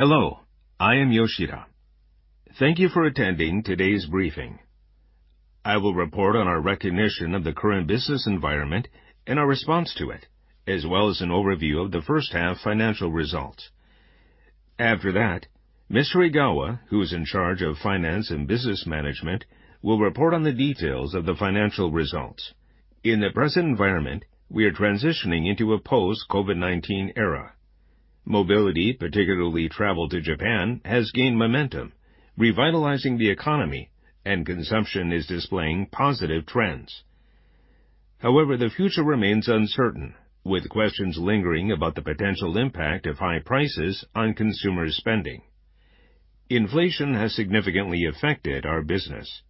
Hello, I am Yoshida. Thank you for attending today's briefing. I will report on our recognition of the current business environment and our response to it, as well as an overview of the first half financial results. After that, Mr. Egawa, who is in charge of finance and business management, will report on the details of the financial results. In the present environment, we are transitioning into a post-COVID-19 era. Mobility, particularly travel to Japan, has gained momentum, revitalizing the economy, and consumption is displaying positive trends. However, the future remains uncertain, with questions lingering about the potential impact of high prices on consumer spending. Inflation has significantly affected our business.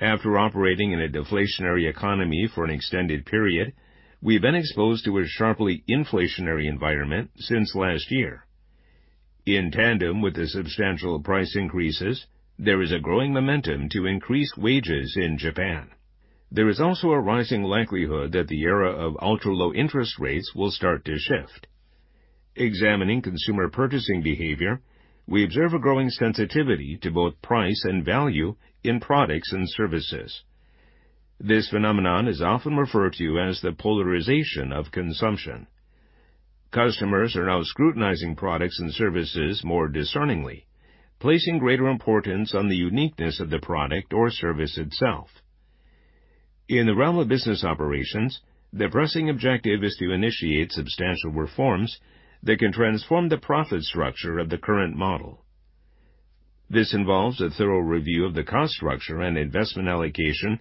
After operating in a deflationary economy for an extended period, we've been exposed to a sharply inflationary environment since last year. In tandem with the substantial price increases, there is a growing momentum to increase wages in Japan. There is also a rising likelihood that the era of ultra-low interest rates will start to shift. Examining consumer purchasing behavior, we observe a growing sensitivity to both price and value in products and services. This phenomenon is often referred to as the polarization of consumption. Customers are now scrutinizing products and services more discerningly, placing greater importance on the uniqueness of the product or service itself. In the realm of business operations, the pressing objective is to initiate substantial reforms that can transform the profit structure of the current model. This involves a thorough review of the cost structure and investment allocation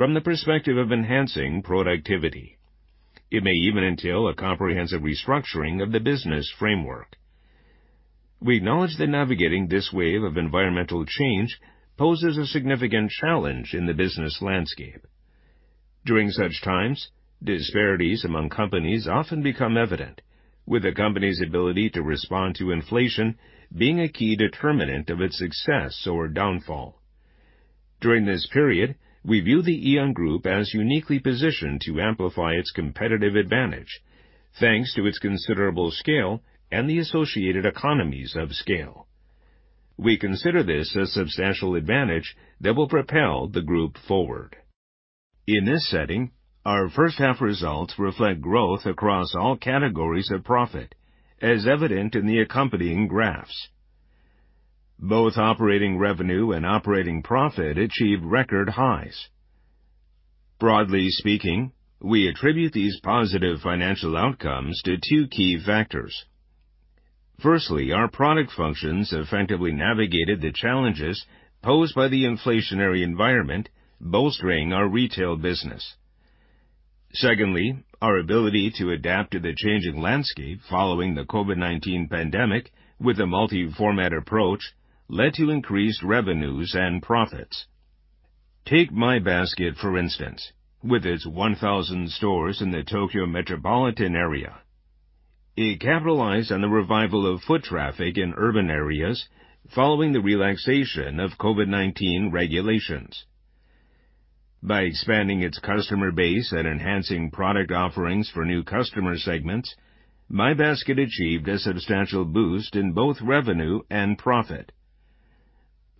from the perspective of enhancing productivity. It may even entail a comprehensive restructuring of the business framework. We acknowledge that navigating this wave of environmental change poses a significant challenge in the business landscape. During such times, disparities among companies often become evident, with a company's ability to respond to inflation being a key determinant of its success or downfall. During this period, we view the AEON Group as uniquely positioned to amplify its competitive advantage, thanks to its considerable scale and the associated economies of scale. We consider this a substantial advantage that will propel the group forward. In this setting, our first half results reflect growth across all categories of profit, as evident in the accompanying graphs. Both operating revenue and operating profit achieved record highs. Broadly speaking, we attribute these positive financial outcomes to two key factors. Firstly, our product functions effectively navigated the challenges posed by the inflationary environment, bolstering our retail business. Secondly, our ability to adapt to the changing landscape following the COVID-19 pandemic with a multi-format approach led to increased revenues and profits. Take My Basket, for instance, with its 1,000 stores in the Tokyo Metropolitan Area. It capitalized on the revival of foot traffic in urban areas following the relaxation of COVID-19 regulations. By expanding its customer base and enhancing product offerings for new customer segments, My Basket achieved a substantial boost in both revenue and profit.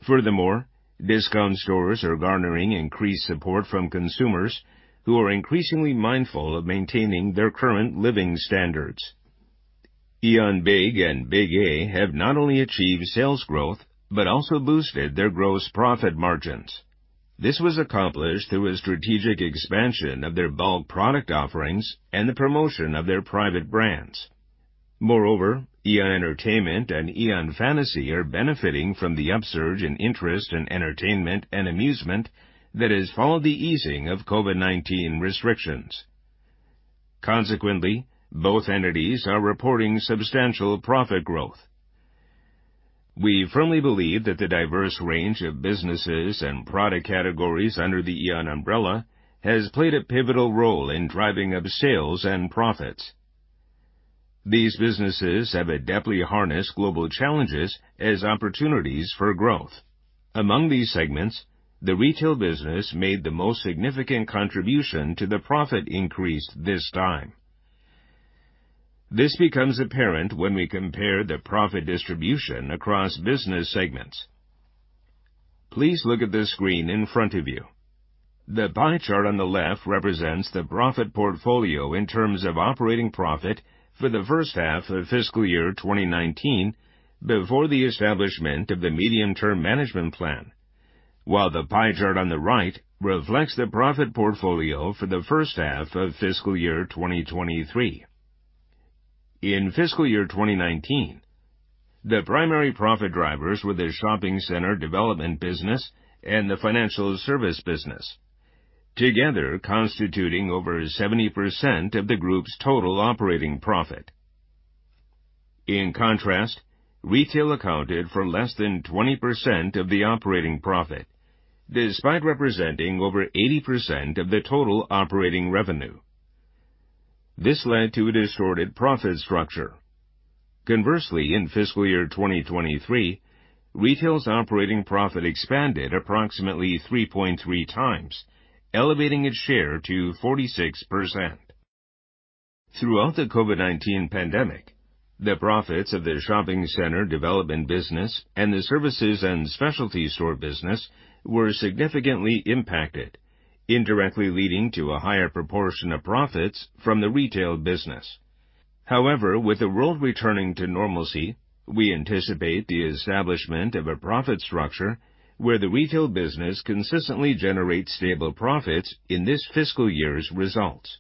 Furthermore, discount stores are garnering increased support from consumers who are increasingly mindful of maintaining their current living standards. AEON Big and Big-A have not only achieved sales growth but also boosted their gross profit margins. This was accomplished through a strategic expansion of their bulk product offerings and the promotion of their private brands. Moreover, AEON Entertainment and AEON Fantasy are benefiting from the upsurge in interest in entertainment and amusement that has followed the easing of COVID-19 restrictions. Consequently, both entities are reporting substantial profit growth. We firmly believe that the diverse range of businesses and product categories under the AEON umbrella has played a pivotal role in driving up sales and profits. These businesses have adeptly harnessed global challenges as opportunities for growth. Among these segments, the retail business made the most significant contribution to the profit increase this time. This becomes apparent when we compare the profit distribution across business segments. Please look at the screen in front of you. The pie chart on the left represents the profit portfolio in terms of operating profit for the first half of fiscal year 2019, before the establishment of the Medium-term Management Plan, while the pie chart on the right reflects the profit portfolio for the first half of fiscal year 2023. In fiscal year 2019, the primary profit drivers were the shopping center development business and the financial service business, together constituting over 70% of the group's total operating profit. In contrast, retail accounted for less than 20% of the operating profit, despite representing over 80% of the total operating revenue. This led to a distorted profit structure. Conversely, in fiscal year 2023, retail's operating profit expanded approximately 3.3x, elevating its share to 46%. Throughout the COVID-19 pandemic, the profits of the shopping center development business and the services and specialty store business were significantly impacted, indirectly leading to a higher proportion of profits from the retail business. However, with the world returning to normalcy, we anticipate the establishment of a profit structure where the retail business consistently generates stable profits in this fiscal year's results.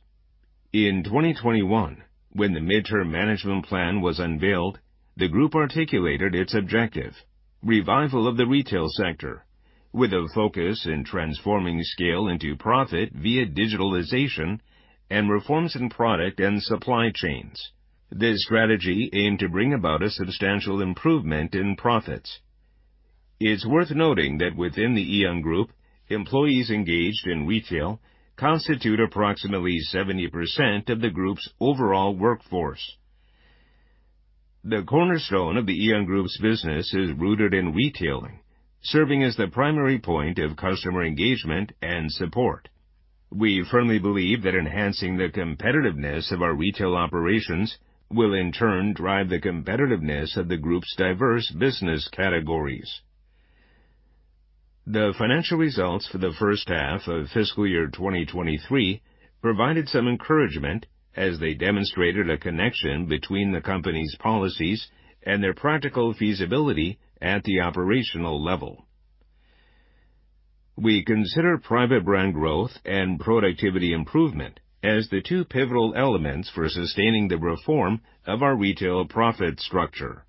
In 2021, when the Medium-term Management Plan was unveiled, the group articulated its objective: revival of the retail sector, with a focus in transforming scale into profit via digitalization and reforms in product and supply chains. This strategy aimed to bring about a substantial improvement in profits. It's worth noting that within the AEON Group, employees engaged in retail constitute approximately 70% of the group's overall workforce. The cornerstone of the AEON Group's business is rooted in retailing, serving as the primary point of customer engagement and support. We firmly believe that enhancing the competitiveness of our retail operations will, in turn, drive the competitiveness of the group's diverse business categories. The financial results for the first half of fiscal year 2023 provided some encouragement as they demonstrated a connection between the company's policies and their practical feasibility at the operational level. We consider private brand growth and productivity improvement as the two pivotal elements for sustaining the reform of our retail profit structure.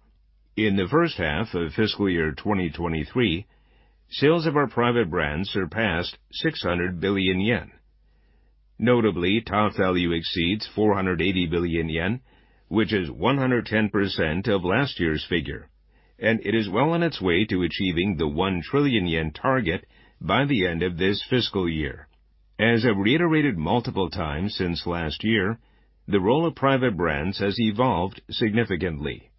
In the first half of fiscal year 2023, sales of our private brand surpassed 600 billion yen. Notably, TOPVALU exceeds 480 billion yen, which is 110% of last year's figure, and it is well on its way to achieving the 1 trillion yen target by the end of this fiscal year. As I've reiterated multiple times since last year, the role of private brands has evolved significantly.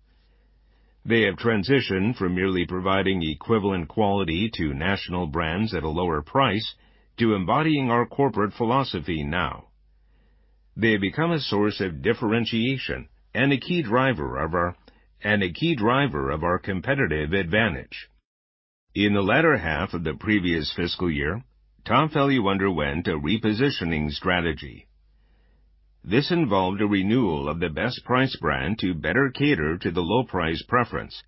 They have transitioned from merely providing equivalent quality to national brands at a lower price to embodying our corporate philosophy now. They've become a source of differentiation and a key driver of our competitive advantage. In the latter half of the previous fiscal year, TOPVALU underwent a repositioning strategy. This involved a renewal of the Best Price brand to better cater to the low price preference,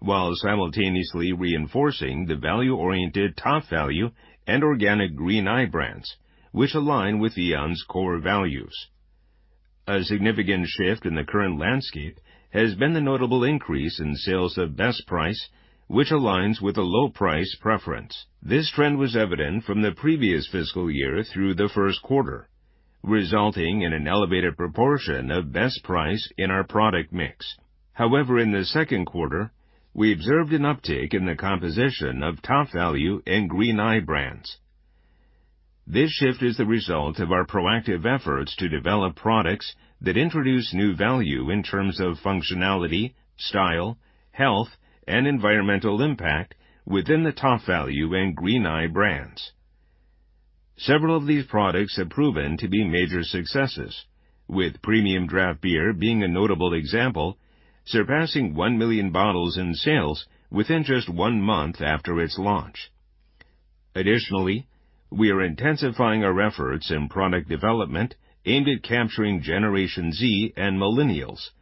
while simultaneously reinforcing the value-oriented TOPVALU and organic Green Eye brands, which align with AEON's core values. A significant shift in the current landscape has been the notable increase in sales of Best Price, which aligns with a low price preference. This trend was evident from the previous fiscal year through the first quarter, resulting in an elevated proportion of Best Price in our product mix. However, in the second quarter, we observed an uptick in the composition of TOPVALU and Green Eye brands. This shift is the result of our proactive efforts to develop products that introduce new value in terms of functionality, style, health, and environmental impact within the TOPVALU and Green Eye brands. Several of these products have proven to be major successes, with Premium Draft Beer being a notable example, surpassing one million bottles in sales within just one month after its launch. Additionally, we are intensifying our efforts in product development aimed at capturing Generation Z and Millennials,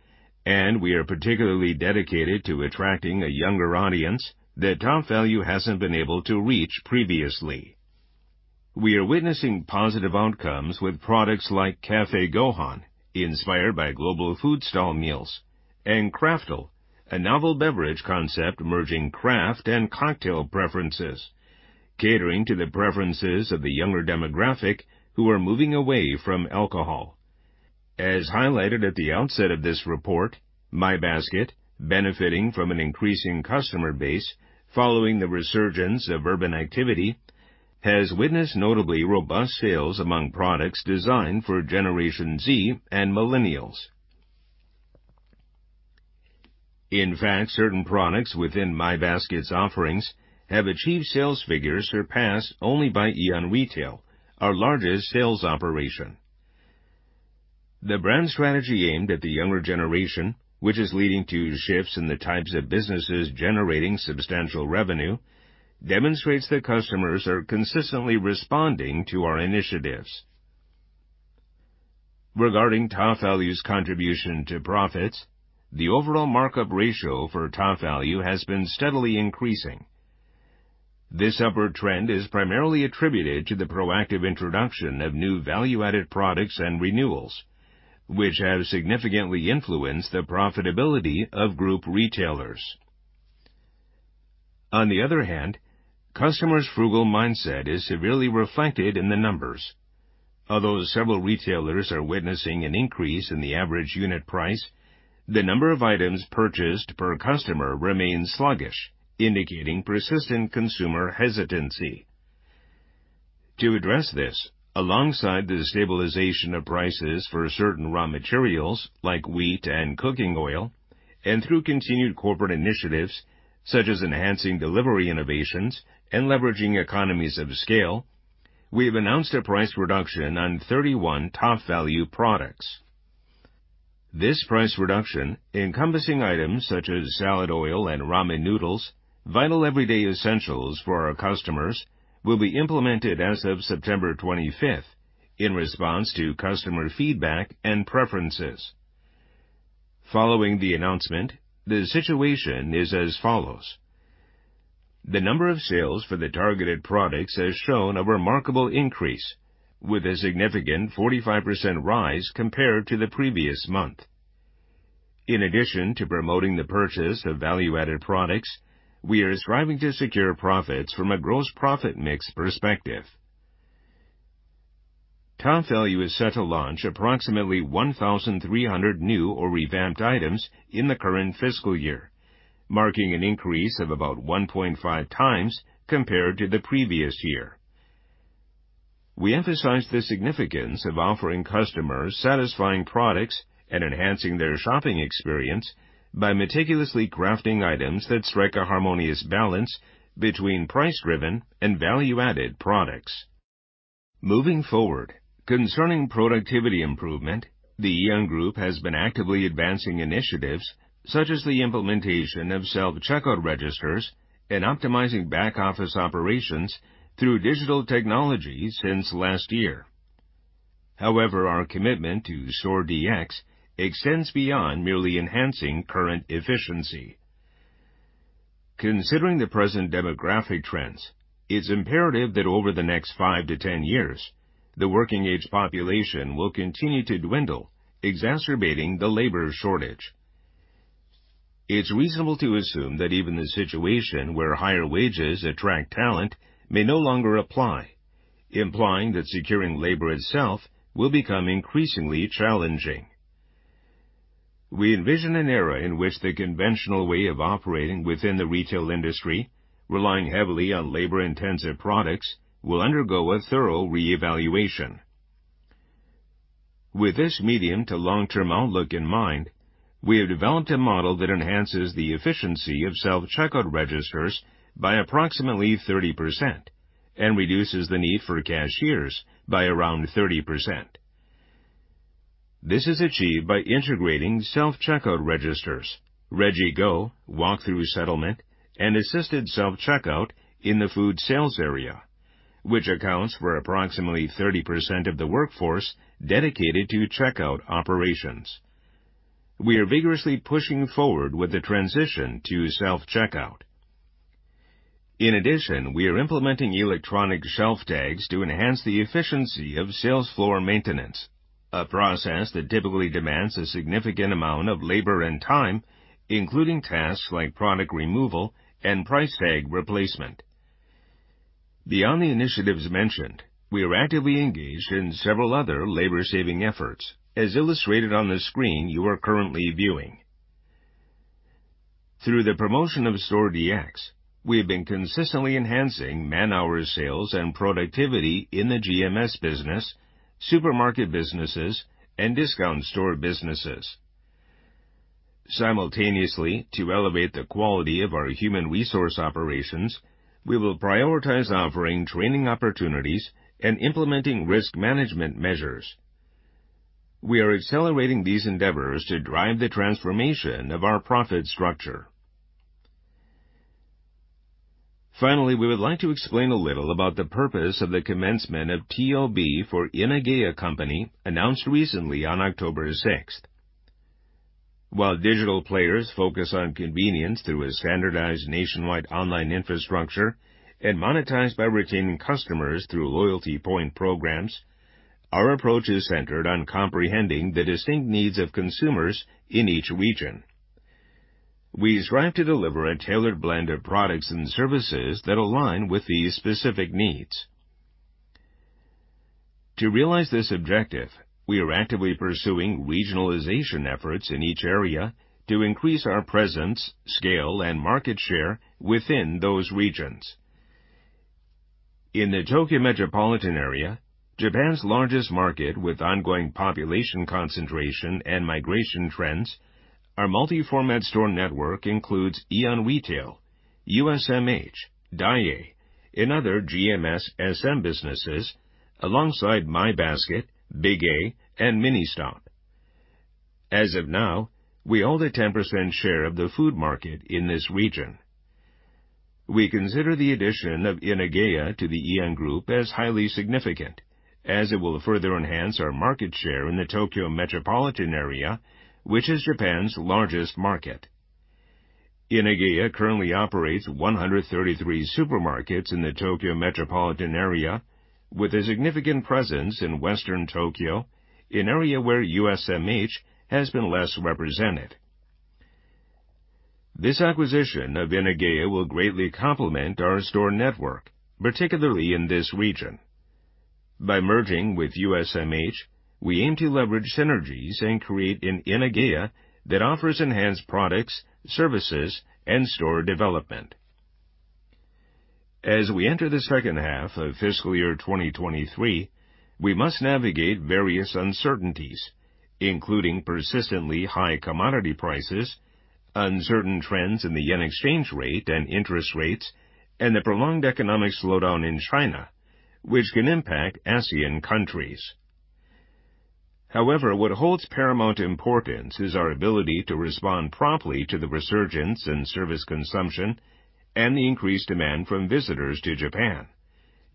and we are particularly dedicated to attracting a younger audience that TOPVALU hasn't been able to reach previously. We are witnessing positive outcomes with products like Cafe Gohan, inspired by global food stall meals, and Craftel, a novel beverage concept merging craft and cocktail preferences, catering to the preferences of the younger demographic who are moving away from alcohol. As highlighted at the outset of this report, My Basket, benefiting from an increasing customer base following the resurgence of urban activity, has witnessed notably robust sales among products designed for Generation Z and Millennials. In fact, certain products within My Basket's offerings have achieved sales figures surpassed only by AEON Retail, our largest sales operation. The brand strategy aimed at the younger generation, which is leading to shifts in the types of businesses generating substantial revenue, demonstrates that customers are consistently responding to our initiatives. Regarding TOPVALU's contribution to profits, the overall markup ratio for TOPVALU has been steadily increasing. This upward trend is primarily attributed to the proactive introduction of new value-added products and renewals, which have significantly influenced the profitability of group retailers. On the other hand, customers' frugal mindset is severely reflected in the numbers. Although several retailers are witnessing an increase in the average unit price, the number of items purchased per customer remains sluggish, indicating persistent consumer hesitancy. To address this, alongside the stabilization of prices for certain raw materials like wheat and cooking oil, and through continued corporate initiatives such as enhancing delivery innovations and leveraging economies of scale, we have announced a price reduction on 31 TOPVALU products. This price reduction, encompassing items such as salad oil and ramen noodles, vital everyday essentials for our customers, will be implemented as of September 25th, in response to customer feedback and preferences. Following the announcement, the situation is as follows: The number of sales for the targeted products has shown a remarkable increase, with a significant 45% rise compared to the previous month. In addition to promoting the purchase of value-added products, we are striving to secure profits from a gross profit mix perspective. TOPVALU is set to launch approximately 1,300 new or revamped items in the current fiscal year, marking an increase of about 1.5x compared to the previous year. We emphasize the significance of offering customers satisfying products and enhancing their shopping experience by meticulously crafting items that strike a harmonious balance between price-driven and value-added products. Moving forward, concerning productivity improvement, the AEON Group has been actively advancing initiatives such as the implementation of self-checkout registers and optimizing back-office operations through digital technologies since last year. However, our commitment to Store DX extends beyond merely enhancing current efficiency. Considering the present demographic trends, it's imperative that over the next five to 10 years, the working-age population will continue to dwindle, exacerbating the labor shortage. It's reasonable to assume that even the situation where higher wages attract talent may no longer apply, implying that securing labor itself will become increasingly challenging. We envision an era in which the conventional way of operating within the retail industry, relying heavily on labor-intensive products, will undergo a thorough reevaluation. With this medium to long-term outlook in mind, we have developed a model that enhances the efficiency of self-checkout registers by approximately 30% and reduces the need for cashiers by around 30%. This is achieved by integrating self-checkout registers, RegiGo, walk-through settlement, and assisted self-checkout in the food sales area, which accounts for approximately 30% of the workforce dedicated to checkout operations. We are vigorously pushing forward with the transition to self-checkout. In addition, we are implementing electronic shelf tags to enhance the efficiency of sales floor maintenance, a process that typically demands a significant amount of labor and time, including tasks like product removal and price tag replacement. Beyond the initiatives mentioned, we are actively engaged in several other labor-saving efforts, as illustrated on the screen you are currently viewing. Through the promotion of Store DX, we have been consistently enhancing man-hour sales and productivity in the GMS business, supermarket businesses, and discount store businesses. Simultaneously, to elevate the quality of our human resource operations, we will prioritize offering training opportunities and implementing risk management measures. We are accelerating these endeavors to drive the transformation of our profit structure. Finally, we would like to explain a little about the purpose of the commencement of TOB for Inageya Company, announced recently on October 6th. While digital players focus on convenience through a standardized nationwide online infrastructure and monetized by retaining customers through loyalty point programs, our approach is centered on comprehending the distinct needs of consumers in each region. We strive to deliver a tailored blend of products and services that align with these specific needs. To realize this objective, we are actively pursuing regionalization efforts in each area to increase our presence, scale, and market share within those regions. In the Tokyo Metropolitan Area, Japan's largest market, with ongoing population concentration and migration trends, our multi-format store network includes AEON Retail, USMH, Daiei, and other GMS SM businesses, alongside My Basket, Big-A, and Ministop. As of now, we hold a 10% share of the food market in this region. We consider the addition of Inageya to the AEON Group as highly significant, as it will further enhance our market share in the Tokyo Metropolitan Area, which is Japan's largest market. Inageya currently operates 133 supermarkets in the Tokyo Metropolitan Area, with a significant presence in Western Tokyo, an area where USMH has been less represented. This acquisition of Inageya will greatly complement our store network, particularly in this region. By merging with USMH, we aim to leverage synergies and create an Inageya that offers enhanced products, services, and store development. As we enter the second half of fiscal year 2023, we must navigate various uncertainties, including persistently high commodity prices. Uncertain trends in the yen exchange rate and interest rates, and the prolonged economic slowdown in China, which can impact ASEAN countries. However, what holds paramount importance is our ability to respond promptly to the resurgence in service consumption and the increased demand from visitors to Japan,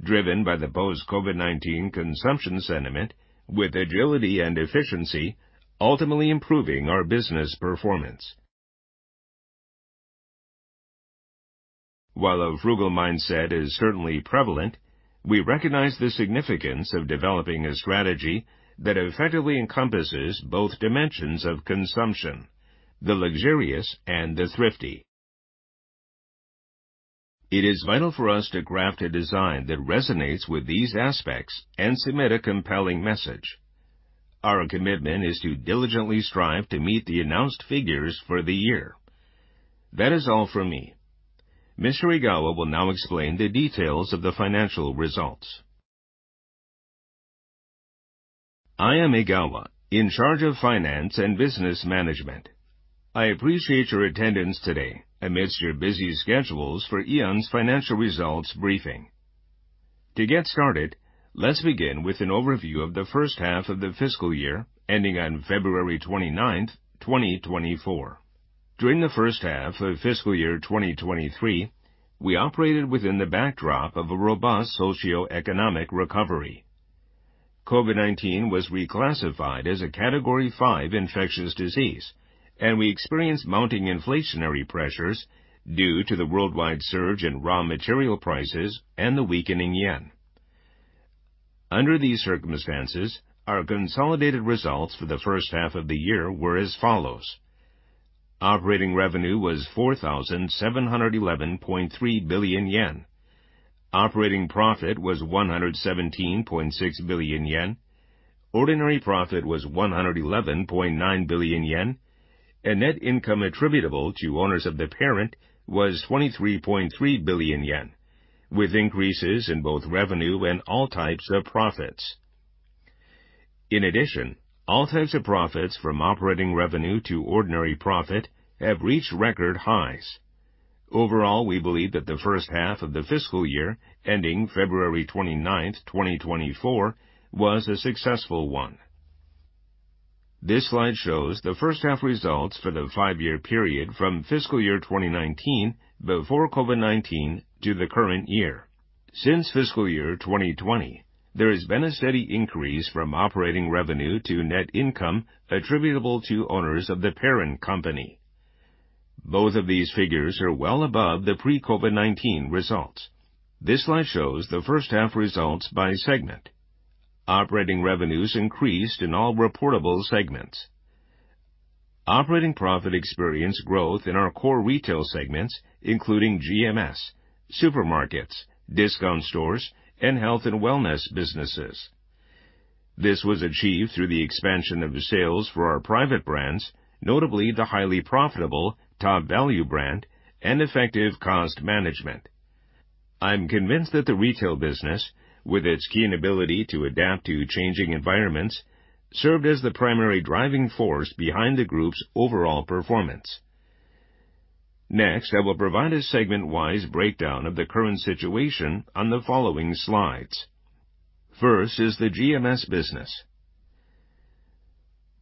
driven by the post-COVID-19 consumption sentiment, with agility and efficiency, ultimately improving our business performance. While a frugal mindset is certainly prevalent, we recognize the significance of developing a strategy that effectively encompasses both dimensions of consumption: the luxurious and the thrifty. It is vital for us to craft a design that resonates with these aspects and submit a compelling message. Our commitment is to diligently strive to meet the announced figures for the year. That is all from me. Mr. Egawa will now explain the details of the financial results. I am Egawa, in charge of finance and business management. I appreciate your attendance today amidst your busy schedules for AEON's financial results briefing. To get started, let's begin with an overview of the first half of the fiscal year, ending on February 29, 2024. During the first half of fiscal year 2023, we operated within the backdrop of a robust socioeconomic recovery. COVID-19 was reclassified as a Category Five infectious disease, and we experienced mounting inflationary pressures due to the worldwide surge in raw material prices and the weakening yen. Under these circumstances, our consolidated results for the first half of the year were as follows: Operating revenue was 4,711.3 billion yen. Operating profit was 117.6 billion yen. Ordinary profit was 111.9 billion yen, and net income attributable to owners of the parent was 23.3 billion yen, with increases in both revenue and all types of profits. In addition, all types of profits from operating revenue to ordinary profit have reached record highs. Overall, we believe that the first half of the fiscal year, ending February 29, 2024, was a successful one. This slide shows the first half results for the five-year period from fiscal year 2019, before COVID-19, to the current year. Since fiscal year 2020, there has been a steady increase from operating revenue to net income attributable to owners of the parent company. Both of these figures are well above the pre-COVID-19 results. This slide shows the first half results by segment. Operating revenues increased in all reportable segments. Operating profit experienced growth in our core retail segments, including GMS, supermarkets, discount stores, and health and wellness businesses. This was achieved through the expansion of the sales for our private brands, notably the highly profitable TOPVALU brand and effective cost management. I'm convinced that the retail business, with its key ability to adapt to changing environments, served as the primary driving force behind the Group's overall performance. Next, I will provide a segment-wise breakdown of the current situation on the following slides. First is the GMS business.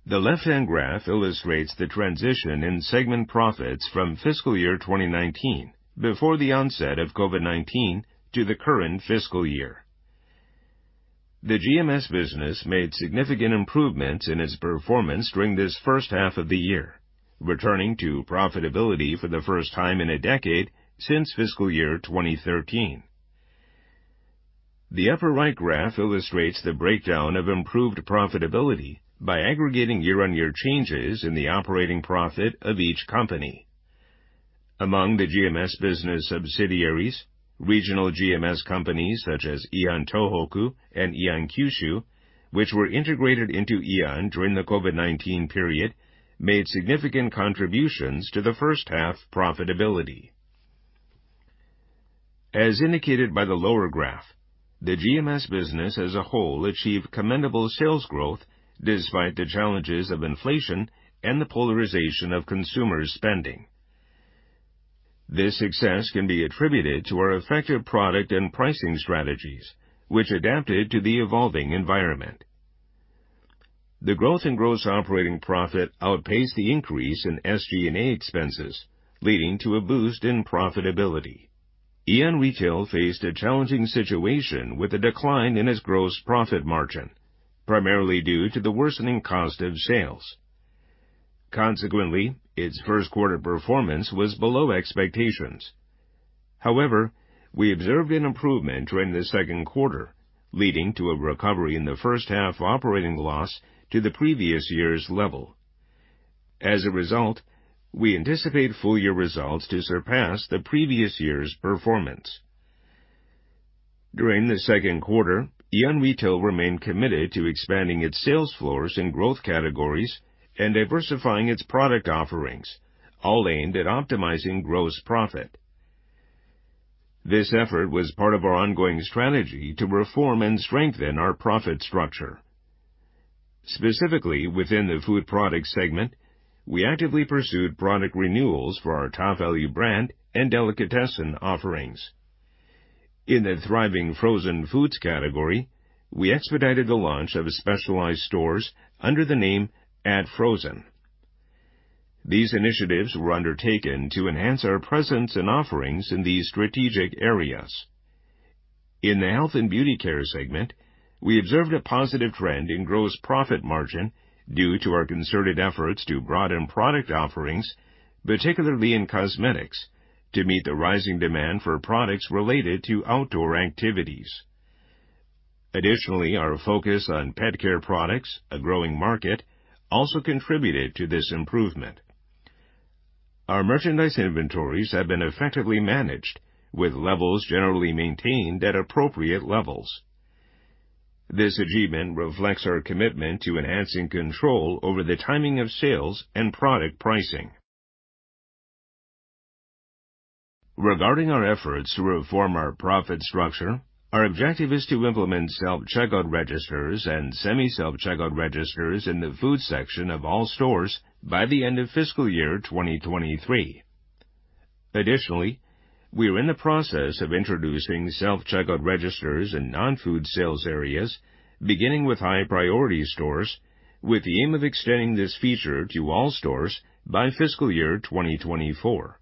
The left-hand graph illustrates the transition in segment profits from fiscal year 2019, before the onset of COVID-19, to the current fiscal year. The GMS business made significant improvements in its performance during this first half of the year, returning to profitability for the first time in a decade since fiscal year 2013. The upper right graph illustrates the breakdown of improved profitability by aggregating year-on-year changes in the operating profit of each company. Among the GMS business subsidiaries, regional GMS companies such as AEON Tohoku and AEON Kyushu, which were integrated into AEON during the COVID-19 period, made significant contributions to the first half profitability. As indicated by the lower graph, the GMS business as a whole achieved commendable sales growth despite the challenges of inflation and the polarization of consumer spending. This success can be attributed to our effective product and pricing strategies, which adapted to the evolving environment. The growth in gross operating profit outpaced the increase in SG&A expenses, leading to a boost in profitability. AEON Retail faced a challenging situation with a decline in its gross profit margin, primarily due to the worsening cost of sales. Consequently, its first quarter performance was below expectations. However, we observed an improvement during the second quarter, leading to a recovery in the first half operating loss to the previous year's level. As a result, we anticipate full-year results to surpass the previous year's performance. During the second quarter, AEON Retail remained committed to expanding its sales floors in growth categories and diversifying its product offerings, all aimed at optimizing gross profit. This effort was part of our ongoing strategy to reform and strengthen our profit structure. Specifically, within the food products segment, we actively pursued product renewals for our TOPVALU brand and delicatessen offerings. In the thriving frozen foods category, we expedited the launch of specialized stores under the name @FROZEN. These initiatives were undertaken to enhance our presence and offerings in these strategic areas. In the health and beauty care segment, we observed a positive trend in gross profit margin due to our concerted efforts to broaden product offerings, particularly in cosmetics, to meet the rising demand for products related to outdoor activities. Additionally, our focus on pet care products, a growing market, also contributed to this improvement. Our merchandise inventories have been effectively managed, with levels generally maintained at appropriate levels. This achievement reflects our commitment to enhancing control over the timing of sales and product pricing. Regarding our efforts to reform our profit structure, our objective is to implement self-checkout registers and semi-self-checkout registers in the food section of all stores by the end of fiscal year 2023. Additionally, we are in the process of introducing self-checkout registers in non-food sales areas, beginning with high-priority stores, with the aim of extending this feature to all stores by fiscal year 2024.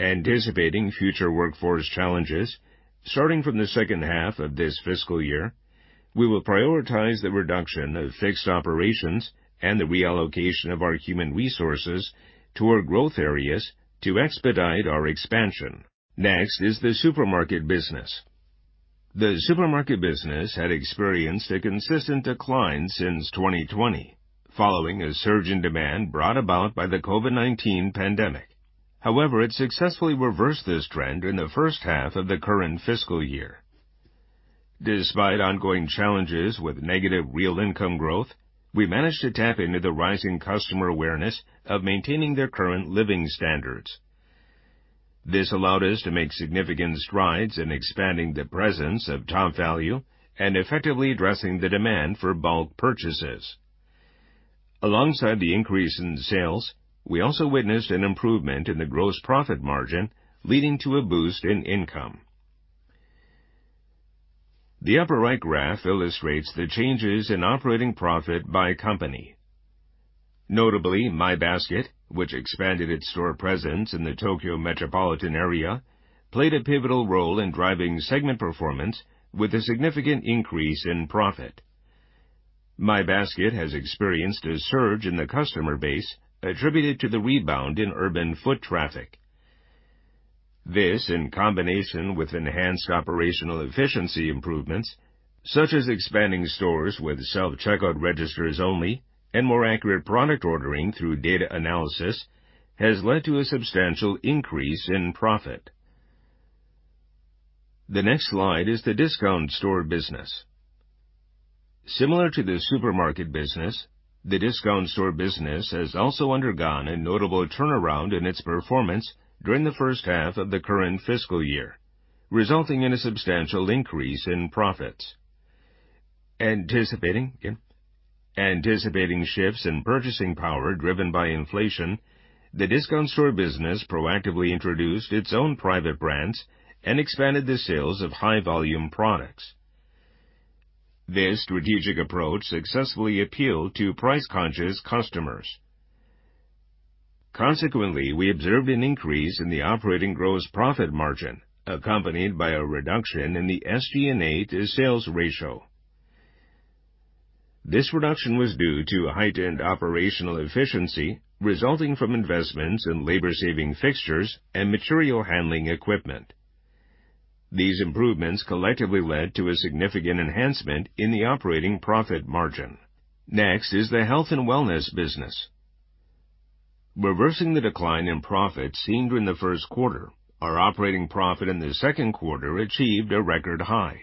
Anticipating future workforce challenges, starting from the second half of this fiscal year, we will prioritize the reduction of fixed operations and the reallocation of our human resources toward growth areas to expedite our expansion. Next is the supermarket business. The supermarket business had experienced a consistent decline since 2020, following a surge in demand brought about by the COVID-19 pandemic. However, it successfully reversed this trend in the first half of the current fiscal year. Despite ongoing challenges with negative real income growth, we managed to tap into the rising customer awareness of maintaining their current living standards. This allowed us to make significant strides in expanding the presence of TOPVALU and effectively addressing the demand for bulk purchases. Alongside the increase in sales, we also witnessed an improvement in the gross profit margin, leading to a boost in income. The upper right graph illustrates the changes in operating profit by company. Notably, My Basket, which expanded its store presence in the Tokyo Metropolitan Area, played a pivotal role in driving segment performance with a significant increase in profit. My Basket has experienced a surge in the customer base attributed to the rebound in urban foot traffic. This, in combination with enhanced operational efficiency improvements, such as expanding stores with self-checkout registers only and more accurate product ordering through data analysis, has led to a substantial increase in profit. The next slide is the discount store business. Similar to the supermarket business, the discount store business has also undergone a notable turnaround in its performance during the first half of the current fiscal year, resulting in a substantial increase in profits. Anticipating shifts in purchasing power driven by inflation, the discount store business proactively introduced its own private brands and expanded the sales of high-volume products. This strategic approach successfully appealed to price-conscious customers. Consequently, we observed an increase in the operating gross profit margin, accompanied by a reduction in the SG&A to sales ratio. This reduction was due to heightened operational efficiency, resulting from investments in labor-saving fixtures and material handling equipment. These improvements collectively led to a significant enhancement in the operating profit margin. Next is the health and wellness business. Reversing the decline in profit seen during the first quarter, our operating profit in the second quarter achieved a record high.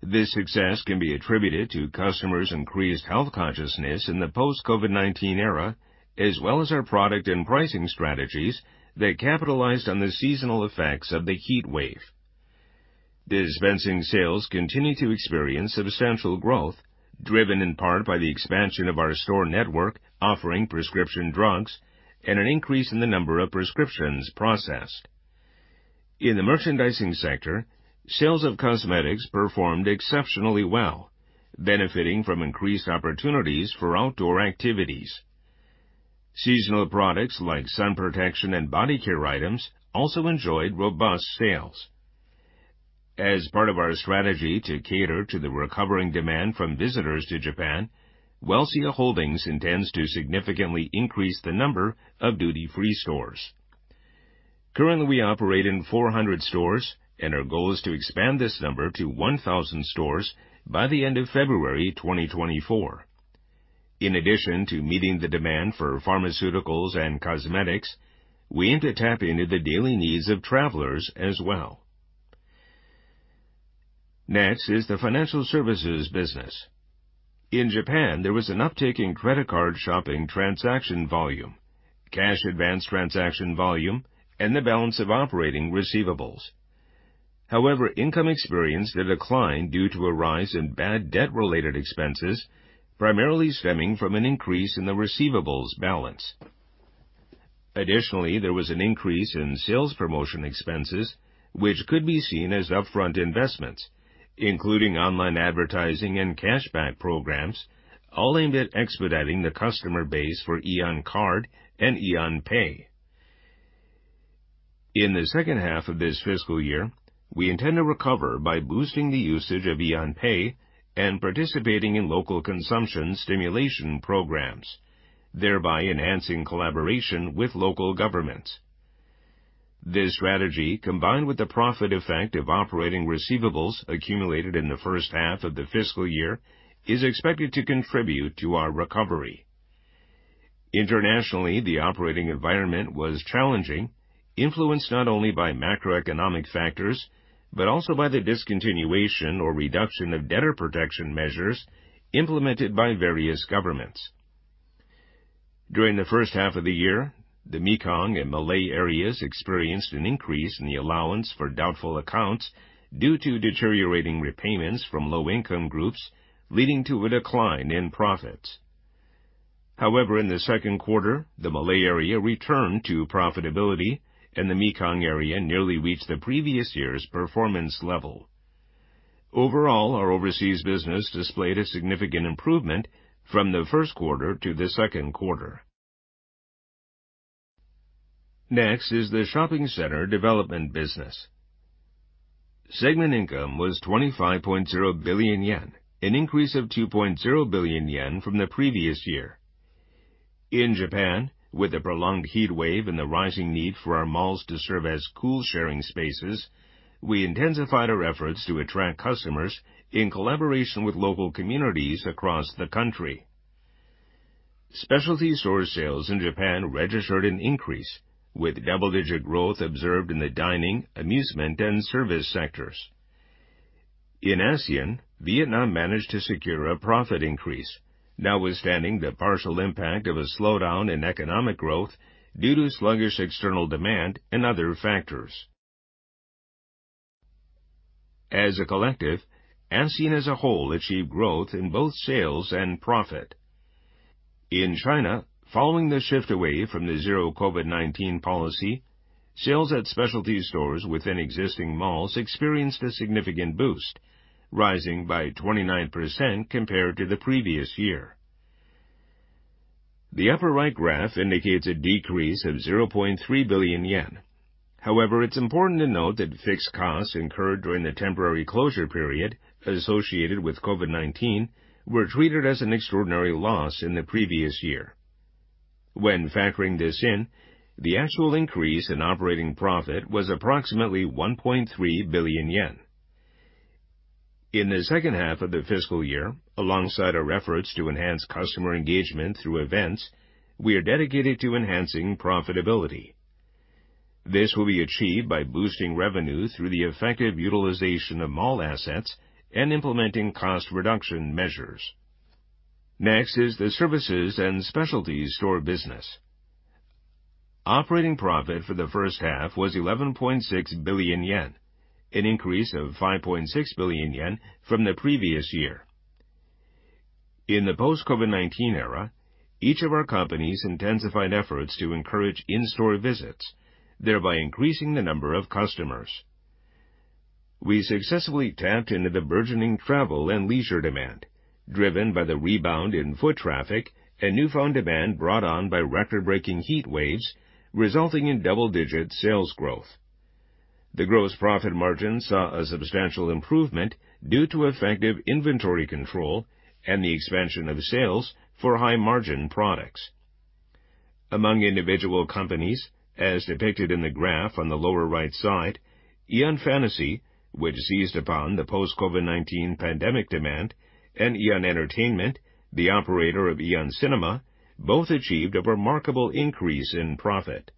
This success can be attributed to customers' increased health consciousness in the post-COVID-19 era, as well as our product and pricing strategies that capitalized on the seasonal effects of the heat wave. Dispensing sales continued to experience substantial growth, driven in part by the expansion of our store network offering prescription drugs and an increase in the number of prescriptions processed. In the merchandising sector, sales of cosmetics performed exceptionally well, benefiting from increased opportunities for outdoor activities. Seasonal products like sun protection and body care items also enjoyed robust sales. As part of our strategy to cater to the recovering demand from visitors to Japan, Welcia Holdings intends to significantly increase the number of duty-free stores. Currently, we operate in 400 stores, and our goal is to expand this number to 1,000 stores by the end of February 2024. In addition to meeting the demand for pharmaceuticals and cosmetics, we aim to tap into the daily needs of travelers as well. Next is the financial services business. In Japan, there was an uptick in credit card shopping transaction volume, cash advance transaction volume, and the balance of operating receivables. However, income experienced a decline due to a rise in bad debt-related expenses, primarily stemming from an increase in the receivables balance. Additionally, there was an increase in sales promotion expenses, which could be seen as upfront investments, including online advertising and cashback programs, all aimed at expediting the customer base for AEON Card and AEON Pay. In the second half of this fiscal year, we intend to recover by boosting the usage of AEON Pay and participating in local consumption stimulation programs, thereby enhancing collaboration with local governments. This strategy, combined with the profit effect of operating receivables accumulated in the first half of the fiscal year, is expected to contribute to our recovery. Internationally, the operating environment was challenging, influenced not only by macroeconomic factors, but also by the discontinuation or reduction of debtor protection measures implemented by various governments. During the first half of the year, the Mekong and Malay areas experienced an increase in the allowance for doubtful accounts due to deteriorating repayments from low-income groups, leading to a decline in profits. However, in the second quarter, the Malay area returned to profitability, and the Mekong area nearly reached the previous year's performance level. Overall, our overseas business displayed a significant improvement from the first quarter to the second quarter. Next is the shopping center development business. Segment income was 25.0 billion yen, an increase of 2.0 billion yen from the previous year. In Japan, with a prolonged heatwave and the rising need for our malls to serve as cool sharing spaces, we intensified our efforts to attract customers in collaboration with local communities across the country. Specialty store sales in Japan registered an increase, with double-digit growth observed in the dining, amusement, and service sectors. In ASEAN, Vietnam managed to secure a profit increase, notwithstanding the partial impact of a slowdown in economic growth due to sluggish external demand and other factors. As a collective, ASEAN as a whole achieved growth in both sales and profit. In China, following the shift away from the zero COVID-19 policy, sales at specialty stores within existing malls experienced a significant boost, rising by 29% compared to the previous year. The upper right graph indicates a decrease of 0.3 billion yen. However, it's important to note that fixed costs incurred during the temporary closure period associated with COVID-19 were treated as an extraordinary loss in the previous year. When factoring this in, the actual increase in operating profit was approximately 1.3 billion yen. In the second half of the fiscal year, alongside our efforts to enhance customer engagement through events, we are dedicated to enhancing profitability. This will be achieved by boosting revenue through the effective utilization of mall assets and implementing cost reduction measures. Next is the services and specialty store business. Operating profit for the first half was 11.6 billion yen, an increase of 5.6 billion yen from the previous year. In the post-COVID-19 era, each of our companies intensified efforts to encourage in-store visits, thereby increasing the number of customers. We successfully tapped into the burgeoning travel and leisure demand, driven by the rebound in foot traffic and newfound demand brought on by record-breaking heat waves, resulting in double-digit sales growth. The gross profit margin saw a substantial improvement due to effective inventory control and the expansion of sales for high-margin products. Among individual companies, as depicted in the graph on the lower right side, AEON Fantasy, which seized upon the post-COVID-19 pandemic demand, and AEON Entertainment, the operator of AEON Cinema, both achieved a remarkable increase in profit.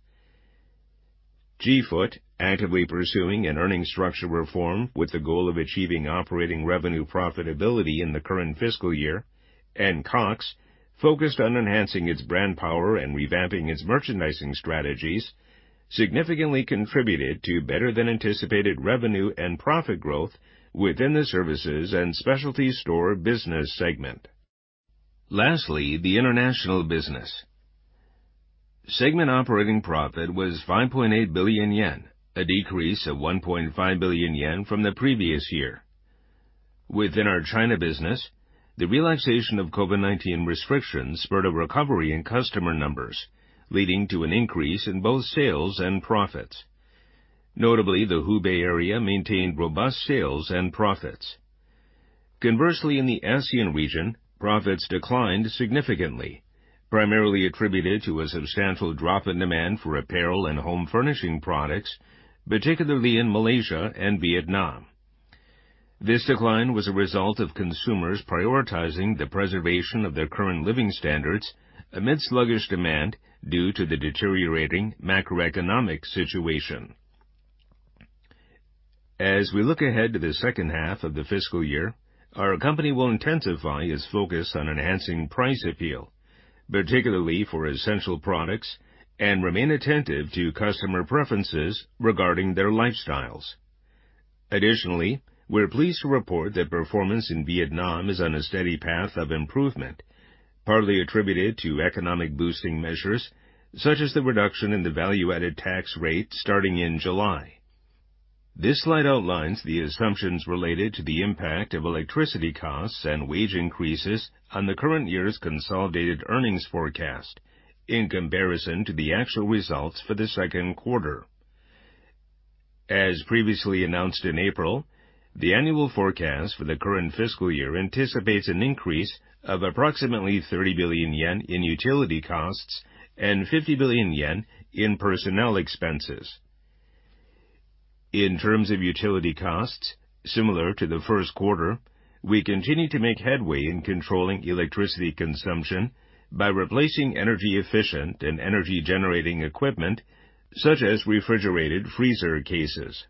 G-Foot, actively pursuing an earnings structure reform with the goal of achieving operating revenue profitability in the current fiscal year, and COX, focused on enhancing its brand power and revamping its merchandising strategies, significantly contributed to better than anticipated revenue and profit growth within the services and specialty store business segment. Lastly, the international business. Segment operating profit was 5.8 billion yen, a decrease of 1.5 billion yen from the previous year. Within our China business, the relaxation of COVID-19 restrictions spurred a recovery in customer numbers, leading to an increase in both sales and profits. Notably, the Hubei area maintained robust sales and profits. Conversely, in the ASEAN region, profits declined significantly, primarily attributed to a substantial drop in demand for apparel and home furnishing products, particularly in Malaysia and Vietnam. This decline was a result of consumers prioritizing the preservation of their current living standards amidst sluggish demand due to the deteriorating macroeconomic situation. As we look ahead to the second half of the fiscal year, our company will intensify its focus on enhancing price appeal, particularly for essential products, and remain attentive to customer preferences regarding their lifestyles. Additionally, we're pleased to report that performance in Vietnam is on a steady path of improvement, partly attributed to economic boosting measures, such as the reduction in the value-added tax rate starting in July. This slide outlines the assumptions related to the impact of electricity costs and wage increases on the current year's consolidated earnings forecast in comparison to the actual results for the second quarter. As previously announced in April, the annual forecast for the current fiscal year anticipates an increase of approximately 30 billion yen in utility costs and 50 billion yen in personnel expenses. In terms of utility costs, similar to the first quarter, we continue to make headway in controlling electricity consumption by replacing energy-efficient and energy-generating equipment, such as refrigerated freezer cases.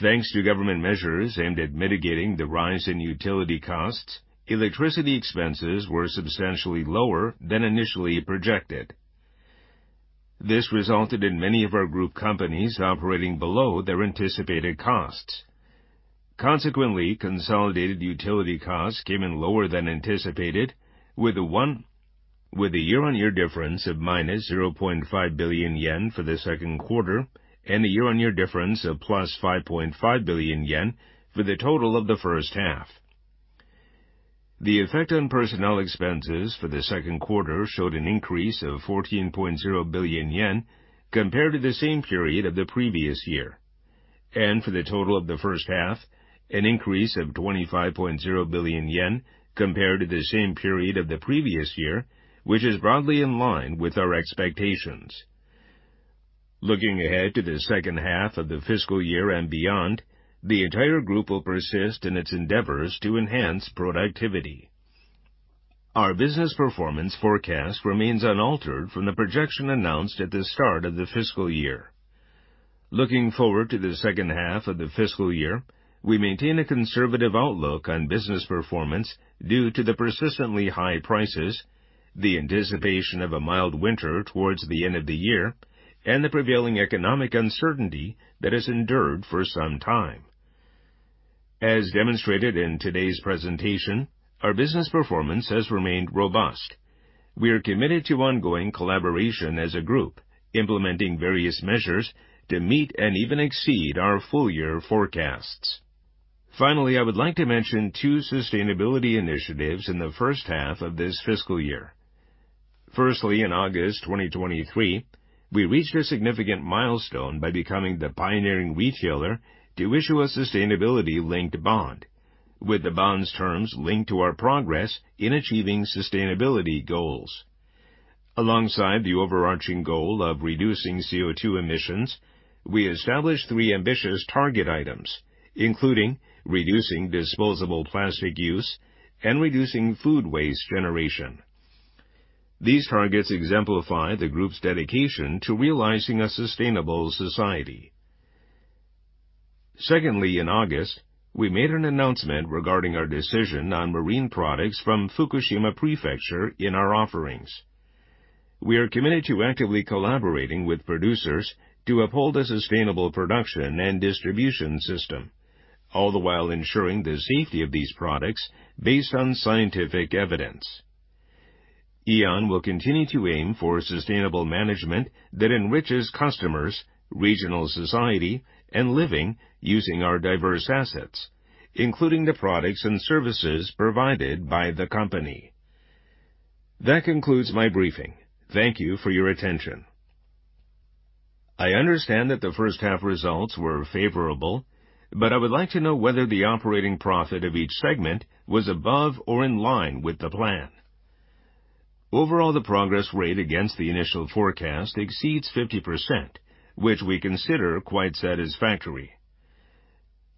Thanks to government measures aimed at mitigating the rise in utility costs, electricity expenses were substantially lower than initially projected. This resulted in many of our group companies operating below their anticipated costs. Consequently, consolidated utility costs came in lower than anticipated, with a year-on-year difference of -0.5 billion yen for the second quarter and a year-on-year difference of 5.5 billion yen for the total of the first half. The effect on personnel expenses for the second quarter showed an increase of 14.0 billion yen compared to the same period of the previous year, and for the total of the first half, an increase of 25.0 billion yen compared to the same period of the previous year, which is broadly in line with our expectations. Looking ahead to the second half of the fiscal year and beyond, the entire group will persist in its endeavors to enhance productivity. Our business performance forecast remains unaltered from the projection announced at the start of the fiscal year. Looking forward to the second half of the fiscal year, we maintain a conservative outlook on business performance due to the persistently high prices, the anticipation of a mild winter towards the end of the year, and the prevailing economic uncertainty that has endured for some time. As demonstrated in today's presentation, our business performance has remained robust. We are committed to ongoing collaboration as a group, implementing various measures to meet and even exceed our full year forecasts. Finally, I would like to mention two sustainability initiatives in the first half of this fiscal year. Firstly, in August 2023, we reached a significant milestone by becoming the pioneering retailer to issue a Sustainability-linked Bond, with the bond's terms linked to our progress in achieving sustainability goals. Alongside the overarching goal of reducing CO₂ emissions, we established three ambitious target items, including reducing disposable plastic use and reducing food waste generation. These targets exemplify the Group's dedication to realizing a sustainable society. Secondly, in August, we made an announcement regarding our decision on marine products from Fukushima Prefecture in our offerings. We are committed to actively collaborating with producers to uphold a sustainable production and distribution system, all the while ensuring the safety of these products based on scientific evidence. AEON will continue to aim for sustainable management that enriches customers, regional society, and living, using our diverse assets, including the products and services provided by the company. That concludes my briefing. Thank you for your attention. I understand that the first half results were favorable, but I would like to know whether the operating profit of each segment was above or in line with the plan? Overall, the progress rate against the initial forecast exceeds 50%, which we consider quite satisfactory.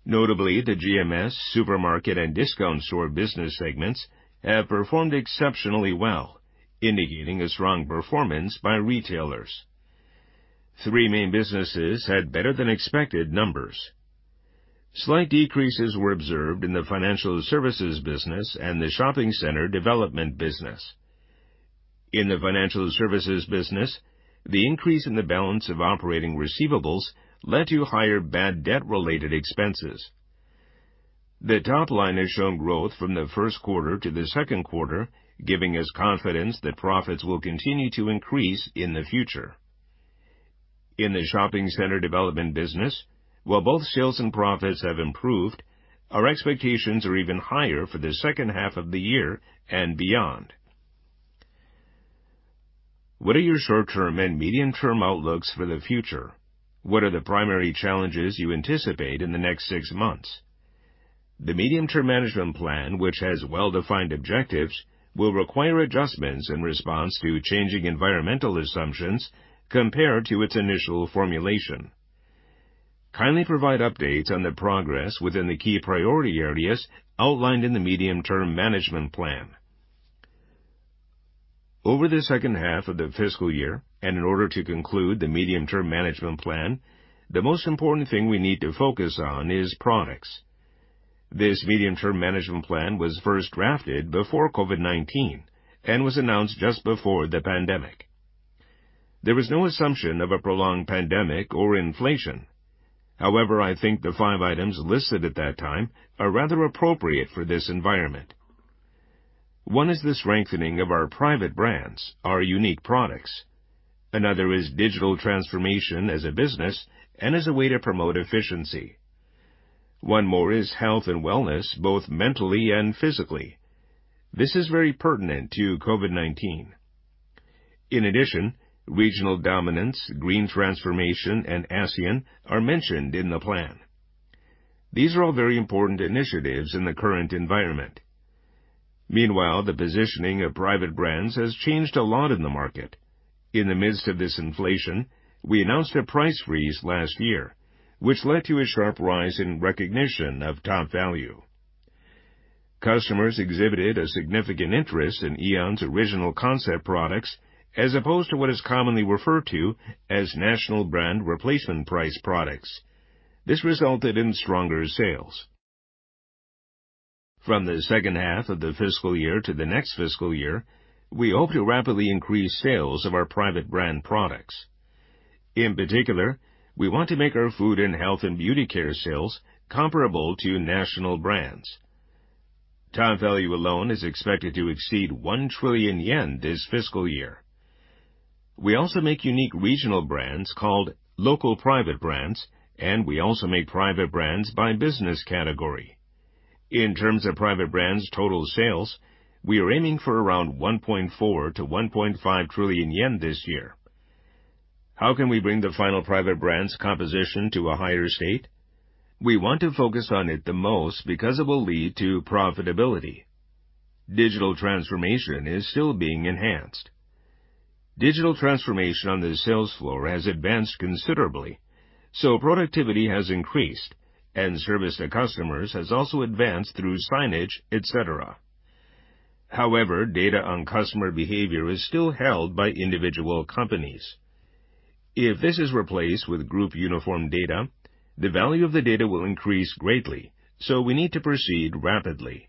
Notably, the GMS, supermarket, and discount store business segments have performed exceptionally well, indicating a strong performance by retailers. Three main businesses had better-than-expected numbers. Slight decreases were observed in the financial services business and the shopping center development business. In the financial services business, the increase in the balance of operating receivables led to higher bad debt-related expenses. The top line has shown growth from the first quarter to the second quarter, giving us confidence that profits will continue to increase in the future. In the shopping center development business, while both sales and profits have improved, our expectations are even higher for the second half of the year and beyond. What are your short-term and medium-term outlooks for the future? What are the primary challenges you anticipate in the next six months? The Medium-term Management Plan, which has well-defined objectives, will require adjustments in response to changing environmental assumptions compared to its initial formulation. Kindly provide updates on the progress within the key priority areas outlined in the Medium-term Management Plan... Over the second half of the fiscal year, and in order to conclude the Medium-term Management Plan, the most important thing we need to focus on is products. This Medium-term Management Plan was first drafted before COVID-19 and was announced just before the pandemic. There was no assumption of a prolonged pandemic or inflation. However, I think the five items listed at that time are rather appropriate for this environment. One is the strengthening of our private brands, our unique products. Another is digital transformation as a business and as a way to promote efficiency. One more is health and wellness, both mentally and physically. This is very pertinent to COVID-19. In addition, regional dominance, green transformation, and ASEAN are mentioned in the plan. These are all very important initiatives in the current environment. Meanwhile, the positioning of private brands has changed a lot in the market. In the midst of this inflation, we announced a price freeze last year, which led to a sharp rise in recognition of TOPVALU. Customers exhibited a significant interest in AEON's original concept products, as opposed to what is commonly referred to as national brand replacement price products. This resulted in stronger sales. From the second half of the fiscal year to the next fiscal year, we hope to rapidly increase sales of our private brand products. In particular, we want to make our food and health and beauty care sales comparable to national brands. TOPVALU alone is expected to exceed 1 trillion yen this fiscal year. We also make unique regional brands called Local Private Brands, and we also make private brands by business category. In terms of private brands' total sales, we are aiming for around 1.4 trillion-1.5 trillion yen this year. How can we bring the final private brands composition to a higher state? We want to focus on it the most because it will lead to profitability. Digital transformation is still being enhanced. Digital transformation on the sales floor has advanced considerably, so productivity has increased, and service to customers has also advanced through signage, et cetera. However, data on customer behavior is still held by individual companies. If this is replaced with group uniform data, the value of the data will increase greatly, so we need to proceed rapidly.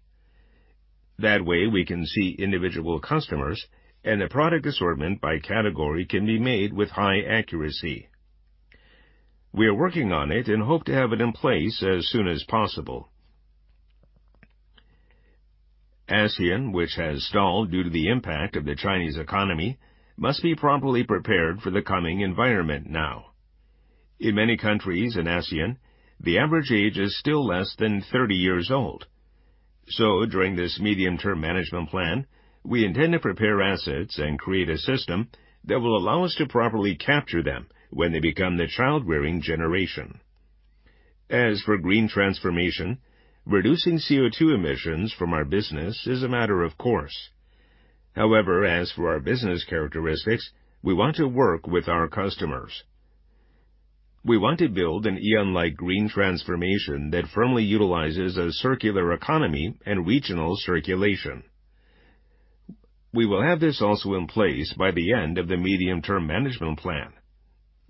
That way, we can see individual customers, and the product assortment by category can be made with high accuracy. We are working on it and hope to have it in place as soon as possible. ASEAN, which has stalled due to the impact of the Chinese economy, must be promptly prepared for the coming environment now. In many countries in ASEAN, the average age is still less than 30 years old. So during this medium-term management plan, we intend to prepare assets and create a system that will allow us to properly capture them when they become the child-rearing generation. As for green transformation, reducing CO₂ emissions from our business is a matter of course. However, as for our business characteristics, we want to work with our customers. We want to build an AEON-like green transformation that firmly utilizes a circular economy and regional circulation. We will have this also in place by the end of the Medium-term Management Plan.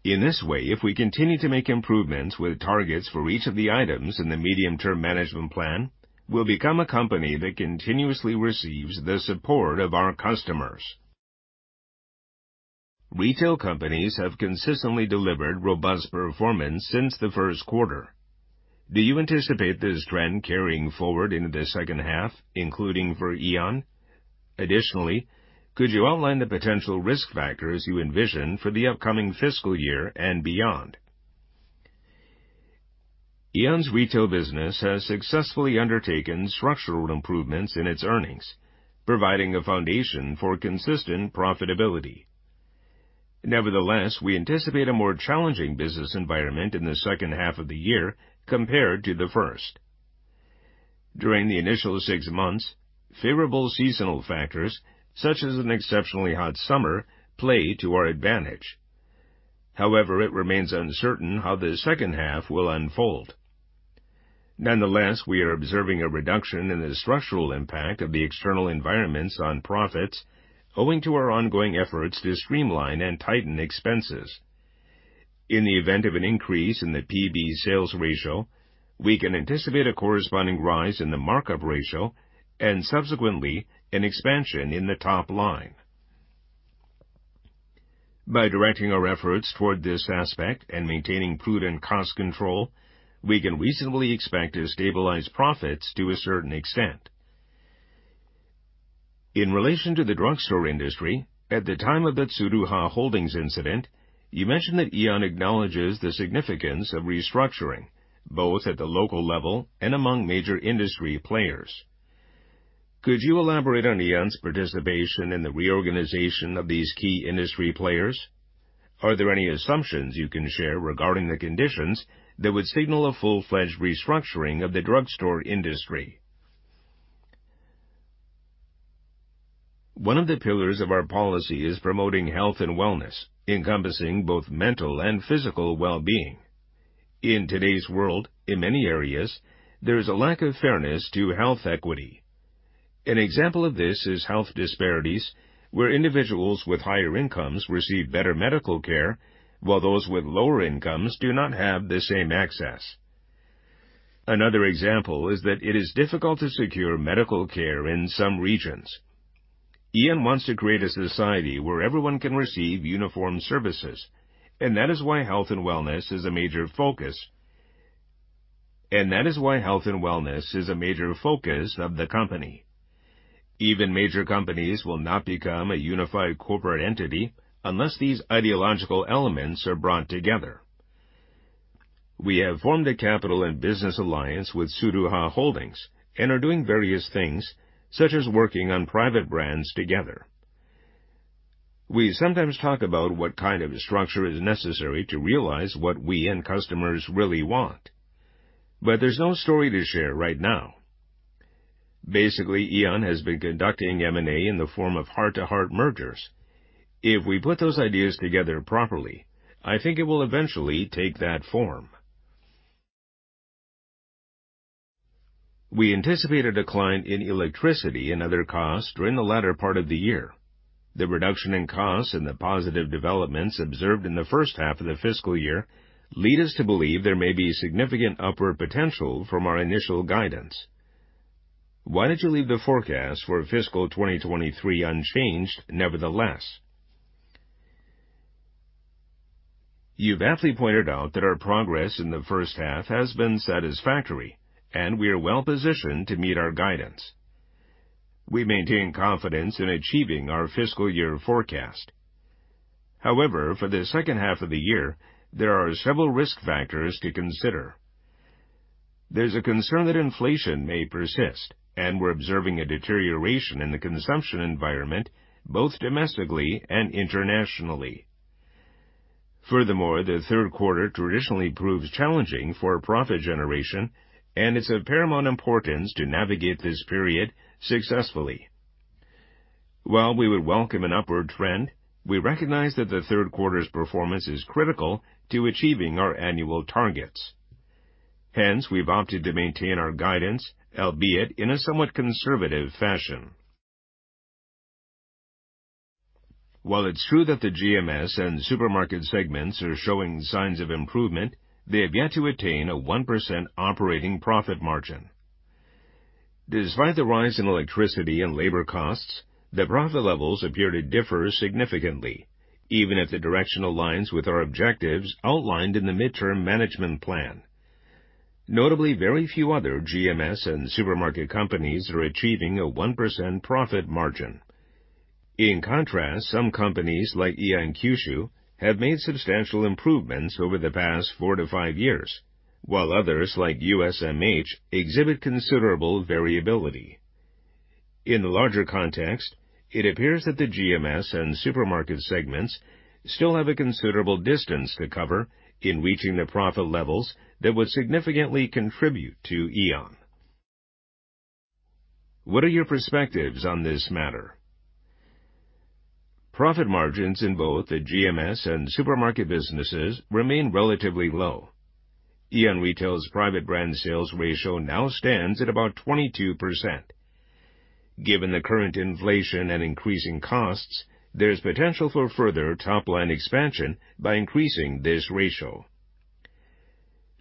In this way, if we continue to make improvements with targets for each of the items in the Medium-term Management Plan, we'll become a company that continuously receives the support of our customers. Retail companies have consistently delivered robust performance since the first quarter. Do you anticipate this trend carrying forward into the second half, including for AEON? Additionally, could you outline the potential risk factors you envision for the upcoming fiscal year and beyond? AEON's retail business has successfully undertaken structural improvements in its earnings, providing a foundation for consistent profitability. Nevertheless, we anticipate a more challenging business environment in the second half of the year compared to the first. During the initial six months, favorable seasonal factors, such as an exceptionally hot summer, played to our advantage. However, it remains uncertain how the second half will unfold. Nonetheless, we are observing a reduction in the structural impact of the external environments on profits, owing to our ongoing efforts to streamline and tighten expenses. In the event of an increase in the PB sales ratio, we can anticipate a corresponding rise in the markup ratio and subsequently an expansion in the top line. By directing our efforts toward this aspect and maintaining prudent cost control, we can reasonably expect to stabilize profits to a certain extent. In relation to the drugstore industry, at the time of the Tsuruha Holdings incident, you mentioned that AEON acknowledges the significance of restructuring, both at the local level and among major industry players. Could you elaborate on AEON's participation in the reorganization of these key industry players? Are there any assumptions you can share regarding the conditions that would signal a full-fledged restructuring of the drugstore industry? One of the pillars of our policy is promoting health and wellness, encompassing both mental and physical well-being. In today's world, in many areas, there is a lack of fairness to health equity. An example of this is health disparities, where individuals with higher incomes receive better medical care, while those with lower incomes do not have the same access. Another example is that it is difficult to secure medical care in some regions. AEON wants to create a society where everyone can receive uniform services, and that is why health and wellness is a major focus. And that is why health and wellness is a major focus of the company. Even major companies will not become a unified corporate entity unless these ideological elements are brought together. We have formed a capital and business alliance with Tsuruha Holdings and are doing various things, such as working on private brands together. We sometimes talk about what kind of structure is necessary to realize what we and customers really want, but there's no story to share right now. Basically, AEON has been conducting M&A in the form of heart-to-heart mergers. If we put those ideas together properly, I think it will eventually take that form. We anticipate a decline in electricity and other costs during the latter part of the year. The reduction in costs and the positive developments observed in the first half of the fiscal year lead us to believe there may be significant upward potential from our initial guidance. Why did you leave the forecast for fiscal 2023 unchanged, nevertheless? You've aptly pointed out that our progress in the first half has been satisfactory, and we are well-positioned to meet our guidance. We maintain confidence in achieving our fiscal year forecast. However, for the second half of the year, there are several risk factors to consider. There's a concern that inflation may persist, and we're observing a deterioration in the consumption environment, both domestically and internationally. Furthermore, the third quarter traditionally proves challenging for profit generation, and it's of paramount importance to navigate this period successfully. While we would welcome an upward trend, we recognize that the third quarter's performance is critical to achieving our annual targets. Hence, we've opted to maintain our guidance, albeit in a somewhat conservative fashion. While it's true that the GMS and supermarket segments are showing signs of improvement, they have yet to attain a 1% operating profit margin. Despite the rise in electricity and labor costs, the profit levels appear to differ significantly, even if the direction aligns with our objectives outlined in the midterm management plan. Notably, very few other GMS and supermarket companies are achieving a 1% profit margin. In contrast, some companies like AEON Kyushu have made substantial improvements over the past four to five years, while others, like USMH, exhibit considerable variability. In the larger context, it appears that the GMS and supermarket segments still have a considerable distance to cover in reaching the profit levels that would significantly contribute to AEON. What are your perspectives on this matter? Profit margins in both the GMS and supermarket businesses remain relatively low. AEON Retail's private brand sales ratio now stands at about 22%. Given the current inflation and increasing costs, there's potential for further top-line expansion by increasing this ratio.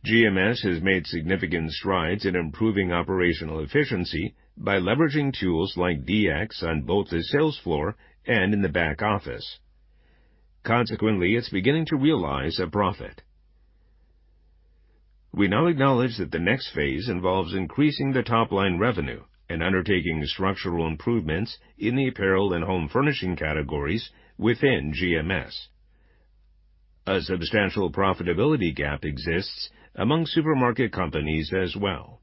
GMS has made significant strides in improving operational efficiency by leveraging tools like DX on both the sales floor and in the back office. Consequently, it's beginning to realize a profit. We now acknowledge that the next phase involves increasing the top-line revenue and undertaking structural improvements in the apparel and home furnishing categories within GMS. A substantial profitability gap exists among supermarket companies as well.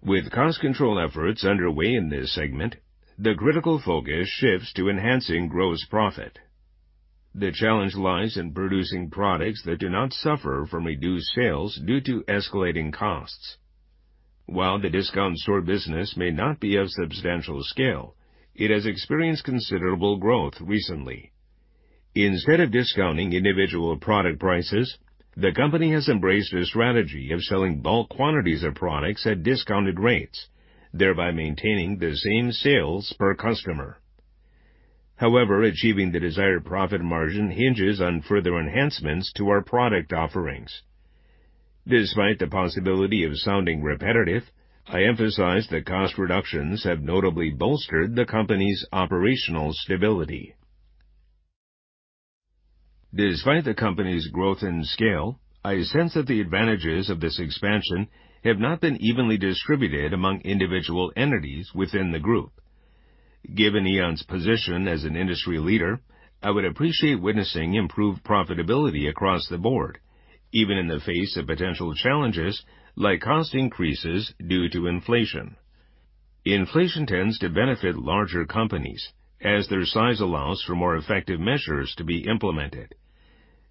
With cost control efforts underway in this segment, the critical focus shifts to enhancing gross profit. The challenge lies in producing products that do not suffer from reduced sales due to escalating costs. While the discount store business may not be of substantial scale, it has experienced considerable growth recently. Instead of discounting individual product prices, the company has embraced a strategy of selling bulk quantities of products at discounted rates, thereby maintaining the same sales per customer. However, achieving the desired profit margin hinges on further enhancements to our product offerings. Despite the possibility of sounding repetitive, I emphasize that cost reductions have notably bolstered the company's operational stability. Despite the company's growth and scale, I sense that the advantages of this expansion have not been evenly distributed among individual entities within the group. Given AEON's position as an industry leader, I would appreciate witnessing improved profitability across the board, even in the face of potential challenges like cost increases due to inflation. Inflation tends to benefit larger companies as their size allows for more effective measures to be implemented.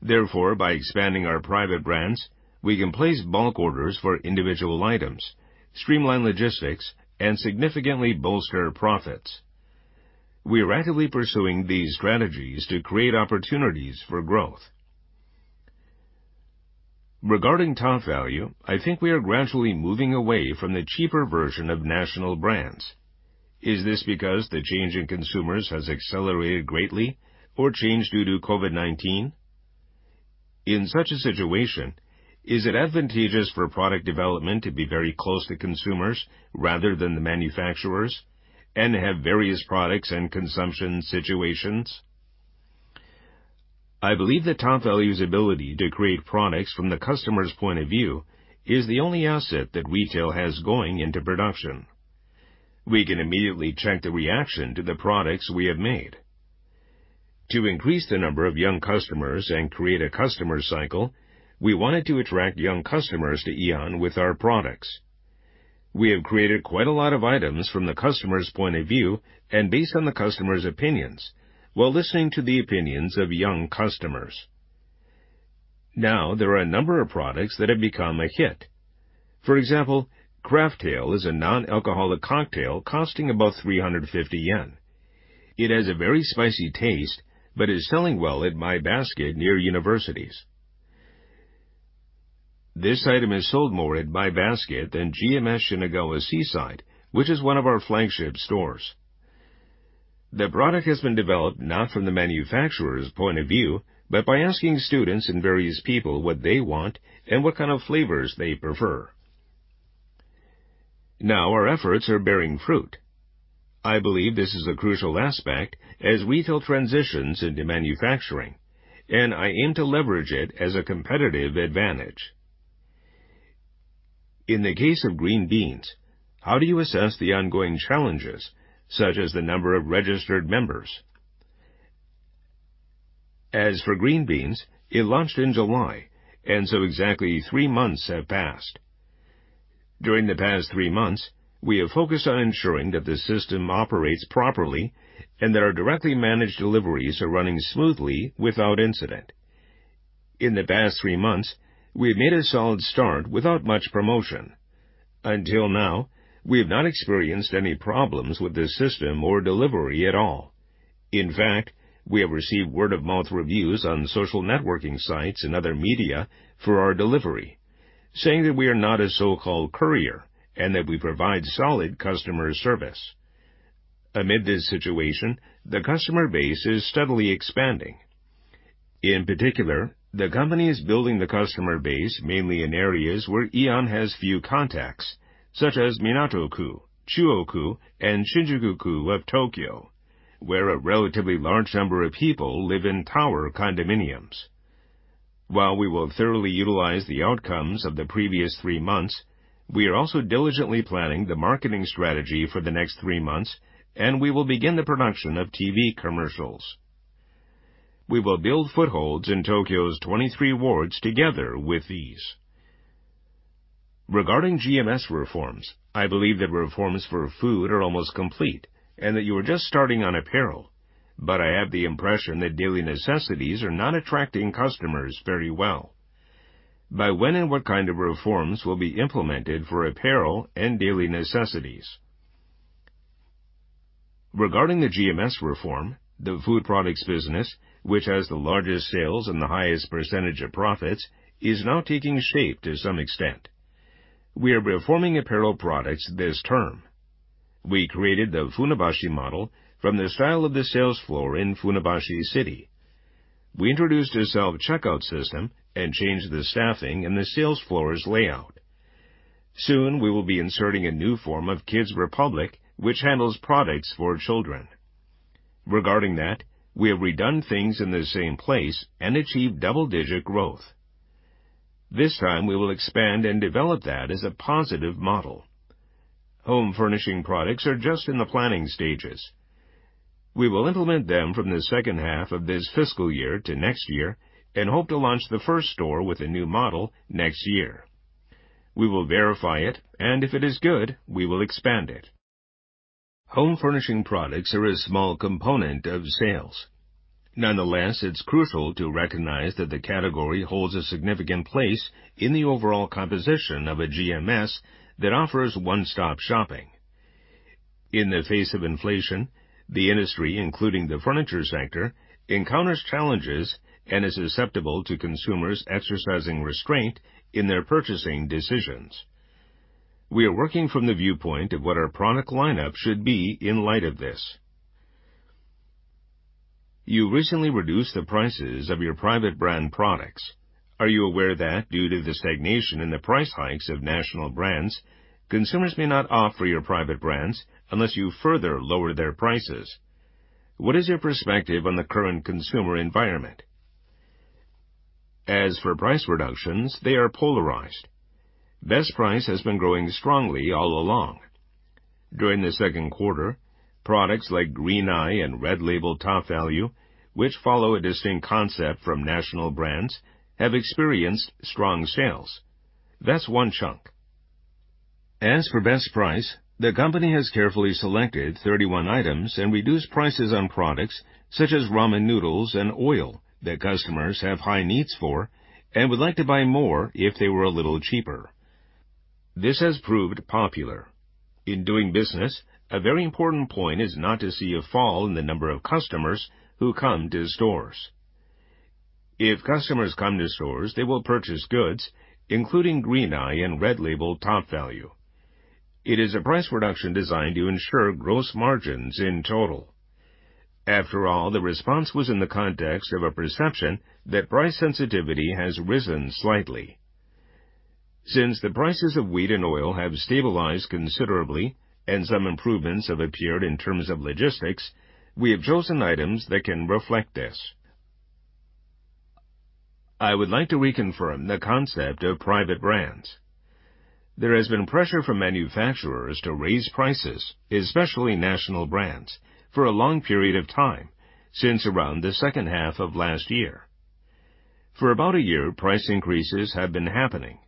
Therefore, by expanding our private brands, we can place bulk orders for individual items, streamline logistics, and significantly bolster profits... We are actively pursuing these strategies to create opportunities for growth. Regarding TOPVALU, I think we are gradually moving away from the cheaper version of national brands. Is this because the change in consumers has accelerated greatly or changed due to COVID-19? In such a situation, is it advantageous for product development to be very close to consumers rather than the manufacturers and have various products and consumption situations? I believe that TOPVALU's ability to create products from the customer's point of view is the only asset that retail has going into production. We can immediately check the reaction to the products we have made. To increase the number of young customers and create a customer cycle, we wanted to attract young customers to AEON with our products. We have created quite a lot of items from the customer's point of view and based on the customer's opinions, while listening to the opinions of young customers. Now, there are a number of products that have become a hit. For example, Craftel is a non-alcoholic cocktail costing about 350 yen. It has a very spicy taste, but is selling well at My Basket near universities. This item is sold more at My Basket than GMS Shinagawa Seaside, which is one of our flagship stores. The product has been developed not from the manufacturer's point of view, but by asking students and various people what they want and what kind of flavors they prefer. Now our efforts are bearing fruit. I believe this is a crucial aspect as retail transitions into manufacturing, and I aim to leverage it as a competitive advantage. In the case of Green Beans, how do you assess the ongoing challenges, such as the number of registered members? As for Green Beans, it launched in July, and so exactly three months have passed. During the past three months, we have focused on ensuring that the system operates properly and that our directly managed deliveries are running smoothly without incident. In the past three months, we have made a solid start without much promotion. Until now, we have not experienced any problems with the system or delivery at all. In fact, we have received word-of-mouth reviews on social networking sites and other media for our delivery, saying that we are not a so-called courier and that we provide solid customer service. Amid this situation, the customer base is steadily expanding. In particular, the company is building the customer base mainly in areas where AEON has few contacts, such as Minato-ku, Chuo-ku, and Shinjuku-ku of Tokyo, where a relatively large number of people live in tower condominiums. While we will thoroughly utilize the outcomes of the previous three months, we are also diligently planning the marketing strategy for the next 3 months, and we will begin the production of TV commercials. We will build footholds in Tokyo's 23 wards together with these. Regarding GMS reforms, I believe that reforms for food are almost complete and that you are just starting on apparel, but I have the impression that daily necessities are not attracting customers very well. By when and what kind of reforms will be implemented for apparel and daily necessities? Regarding the GMS reform, the food products business, which has the largest sales and the highest percentage of profits, is now taking shape to some extent. We are reforming apparel products this term. We created the Funabashi model from the style of the sales floor in Funabashi City. We introduced a self-checkout system and changed the staffing and the sales floor's layout. Soon, we will be inserting a new form of Kids Republic, which handles products for children. Regarding that, we have redone things in the same place and achieved double-digit growth. This time, we will expand and develop that as a positive model. Home furnishing products are just in the planning stages. We will implement them from the second half of this fiscal year to next year and hope to launch the first store with a new model next year. We will verify it, and if it is good, we will expand it. Home furnishing products are a small component of sales. Nonetheless, it's crucial to recognize that the category holds a significant place in the overall composition of a GMS that offers one-stop shopping. In the face of inflation, the industry, including the furniture sector, encounters challenges and is susceptible to consumers exercising restraint in their purchasing decisions. We are working from the viewpoint of what our product lineup should be in light of this. You recently reduced the prices of your private brand products. Are you aware that due to the stagnation in the price hikes of national brands, consumers may not opt for your private brands unless you further lower their prices? What is your perspective on the current consumer environment? As for price reductions, they are polarized. Best Price has been growing strongly all along. During the second quarter, products like Green Eye and Red Label TOPVALU, which follow a distinct concept from national brands, have experienced strong sales. That's one chunk. As for Best Price, the company has carefully selected 31 items and reduced prices on products such as ramen noodles and oil that customers have high needs for and would like to buy more if they were a little cheaper. This has proved popular. In doing business, a very important point is not to see a fall in the number of customers who come to stores. If customers come to stores, they will purchase goods, including Green Eye and Red Label TOPVALU. It is a price reduction designed to ensure gross margins in total. After all, the response was in the context of a perception that price sensitivity has risen slightly. Since the prices of wheat and oil have stabilized considerably and some improvements have appeared in terms of logistics, we have chosen items that can reflect this. I would like to reconfirm the concept of private brands. There has been pressure from manufacturers to raise prices, especially national brands, for a long period of time since around the second half of last year. For about a year, price increases have been happening.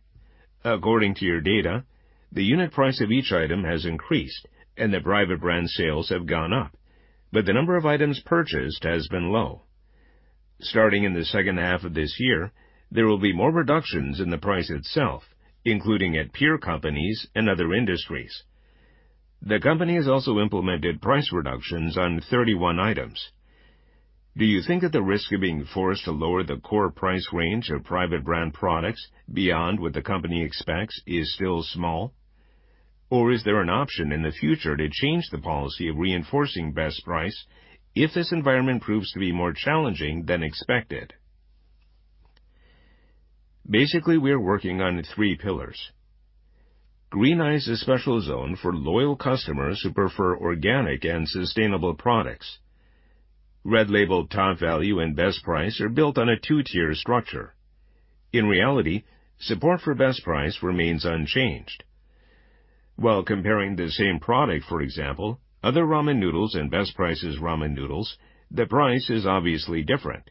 According to your data, the unit price of each item has increased and the private brand sales have gone up, but the number of items purchased has been low. Starting in the second half of this year, there will be more reductions in the price itself, including at peer companies and other industries. The company has also implemented price reductions on 31 items. Do you think that the risk of being forced to lower the core price range of private brand products beyond what the company expects is still small? Or is there an option in the future to change the policy of reinforcing Best Price if this environment proves to be more challenging than expected? Basically, we are working on three pillars. Green Eye is a special zone for loyal customers who prefer organic and sustainable products. Red Label TOPVALU and Best Price are built on a two-tier structure. In reality, support for Best Price remains unchanged. While comparing the same product, for example, other ramen noodles and Best Price's ramen noodles, the price is obviously different.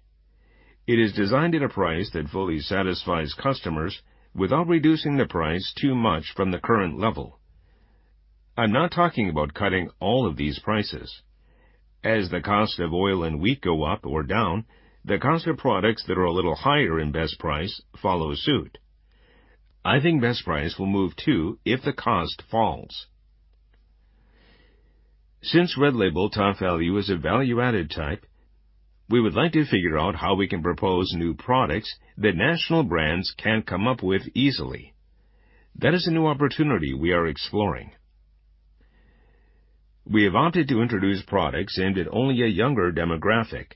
It is designed at a price that fully satisfies customers without reducing the price too much from the current level. I'm not talking about cutting all of these prices. As the cost of oil and wheat go up or down, the cost of products that are a little higher in Best Price follow suit. I think Best Price will move too, if the cost falls. Since Red Label TOPVALU is a value-added type, we would like to figure out how we can propose new products that national brands can't come up with easily. That is a new opportunity we are exploring. We have opted to introduce products aimed at only a younger demographic.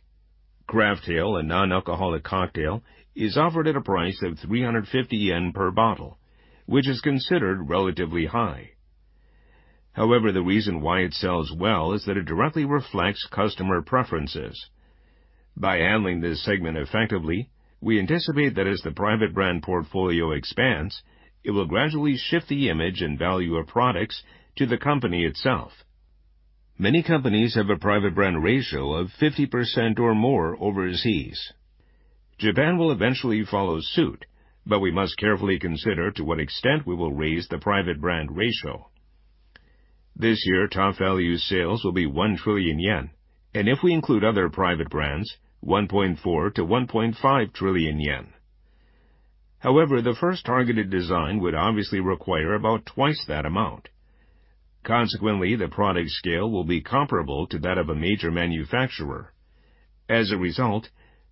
Craftel, a non-alcoholic cocktail, is offered at a price of 350 yen per bottle, which is considered relatively high. However, the reason why it sells well is that it directly reflects customer preferences. By handling this segment effectively, we anticipate that as the private brand portfolio expands, it will gradually shift the image and value of products to the company itself. Many companies have a private brand ratio of 50% or more overseas. Japan will eventually follow suit, but we must carefully consider to what extent we will raise the private brand ratio. This year, TOPVALU sales will be 1 trillion yen, and if we include other private brands, 1.4-1.5 trillion yen. However, the first targeted design would obviously require about twice that amount. Consequently, the product scale will be comparable to that of a major manufacturer. As a result,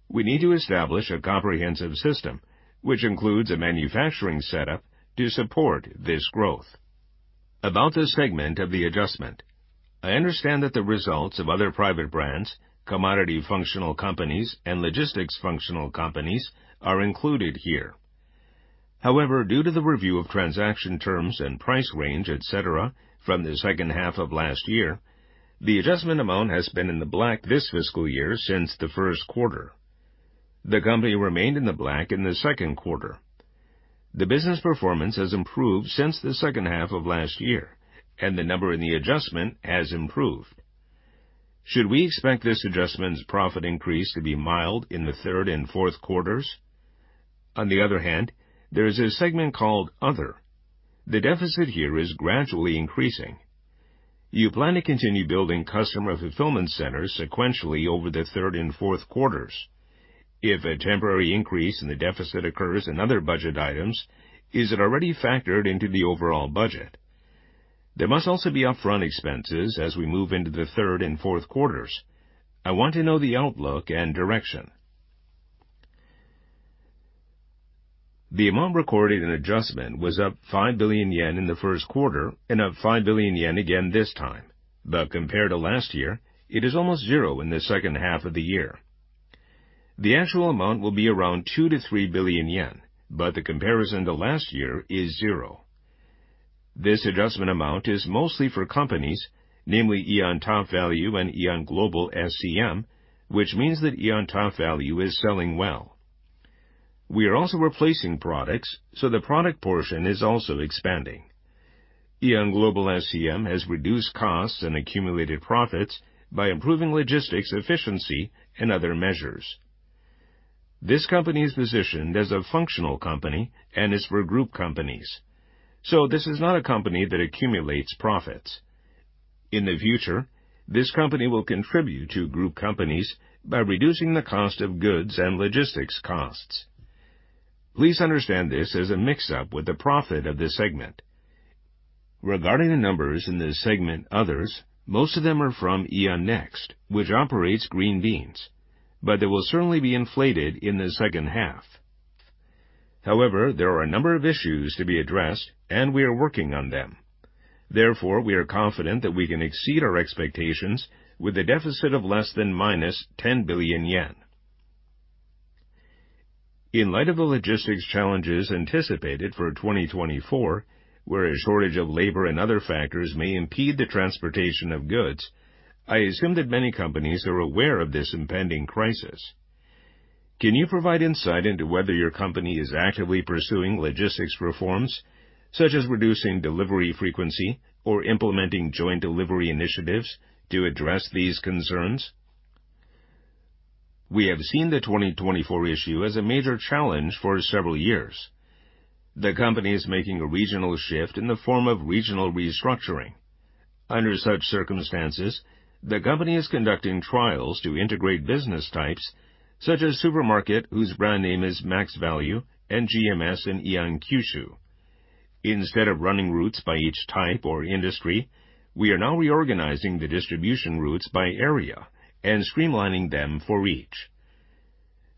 we need to establish a comprehensive system, which includes a manufacturing setup to support this growth. About the segment of the adjustment, I understand that the results of other private brands, commodity functional companies, and logistics functional companies are included here. However, due to the review of transaction terms and price range, et cetera, from the second half of last year, the adjustment amount has been in the black this fiscal year since the first quarter. The company remained in the black in the second quarter. The business performance has improved since the second half of last year, and the number in the adjustment has improved. Should we expect this adjustment's profit increase to be mild in the third and fourth quarters? On the other hand, there is a segment called Other. The deficit here is gradually increasing. You plan to continue building Customer Fulfillment Centers sequentially over the third and fourth quarters. If a temporary increase in the deficit occurs in other budget items, is it already factored into the overall budget? There must also be upfront expenses as we move into the third and fourth quarters. I want to know the outlook and direction. The amount recorded in adjustment was up 5 billion yen in the first quarter and up 5 billion yen again this time. Compared to last year, it is almost zero in the second half of the year. The actual amount will be around 2 billion-3 billion yen, but the comparison to last year is zero. This adjustment amount is mostly for companies, namely AEON TOPVALU and AEON Global SCM, which means that AEON TOPVALU is selling well. We are also replacing products, so the product portion is also expanding. AEON Global SCM has reduced costs and accumulated profits by improving logistics efficiency and other measures. This company is positioned as a functional company and is for group companies. So this is not a company that accumulates profits. In the future, this company will contribute to group companies by reducing the cost of goods and logistics costs. Please understand this as a mix-up with the profit of this segment. Regarding the numbers in this segment, others, most of them are from AEON Next, which operates Green Beans, but they will certainly be inflated in the second half. However, there are a number of issues to be addressed, and we are working on them. Therefore, we are confident that we can exceed our expectations with a deficit of less than 10 billion yen. In light of the logistics challenges anticipated for 2024, where a shortage of labor and other factors may impede the transportation of goods, I assume that many companies are aware of this impending crisis. Can you provide insight into whether your company is actively pursuing logistics reforms, such as reducing delivery frequency or implementing joint delivery initiatives to address these concerns? We have seen the 2024 issue as a major challenge for several years. The company is making a regional shift in the form of regional restructuring. Under such circumstances, the company is conducting trials to integrate business types such as supermarket, whose brand name is MaxValu, and GMS in AEON Kyushu. Instead of running routes by each type or industry, we are now reorganizing the distribution routes by area and streamlining them for each.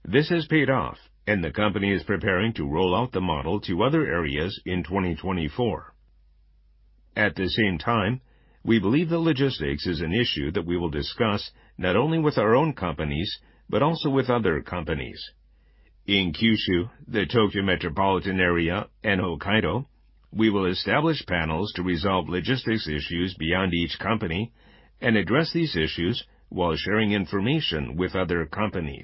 This has paid off, and the company is preparing to roll out the model to other areas in 2024. At the same time, we believe that logistics is an issue that we will discuss not only with our own companies, but also with other companies. In Kyushu, the Tokyo Metropolitan Area and Hokkaido, we will establish panels to resolve logistics issues beyond each company and address these issues while sharing information with other companies.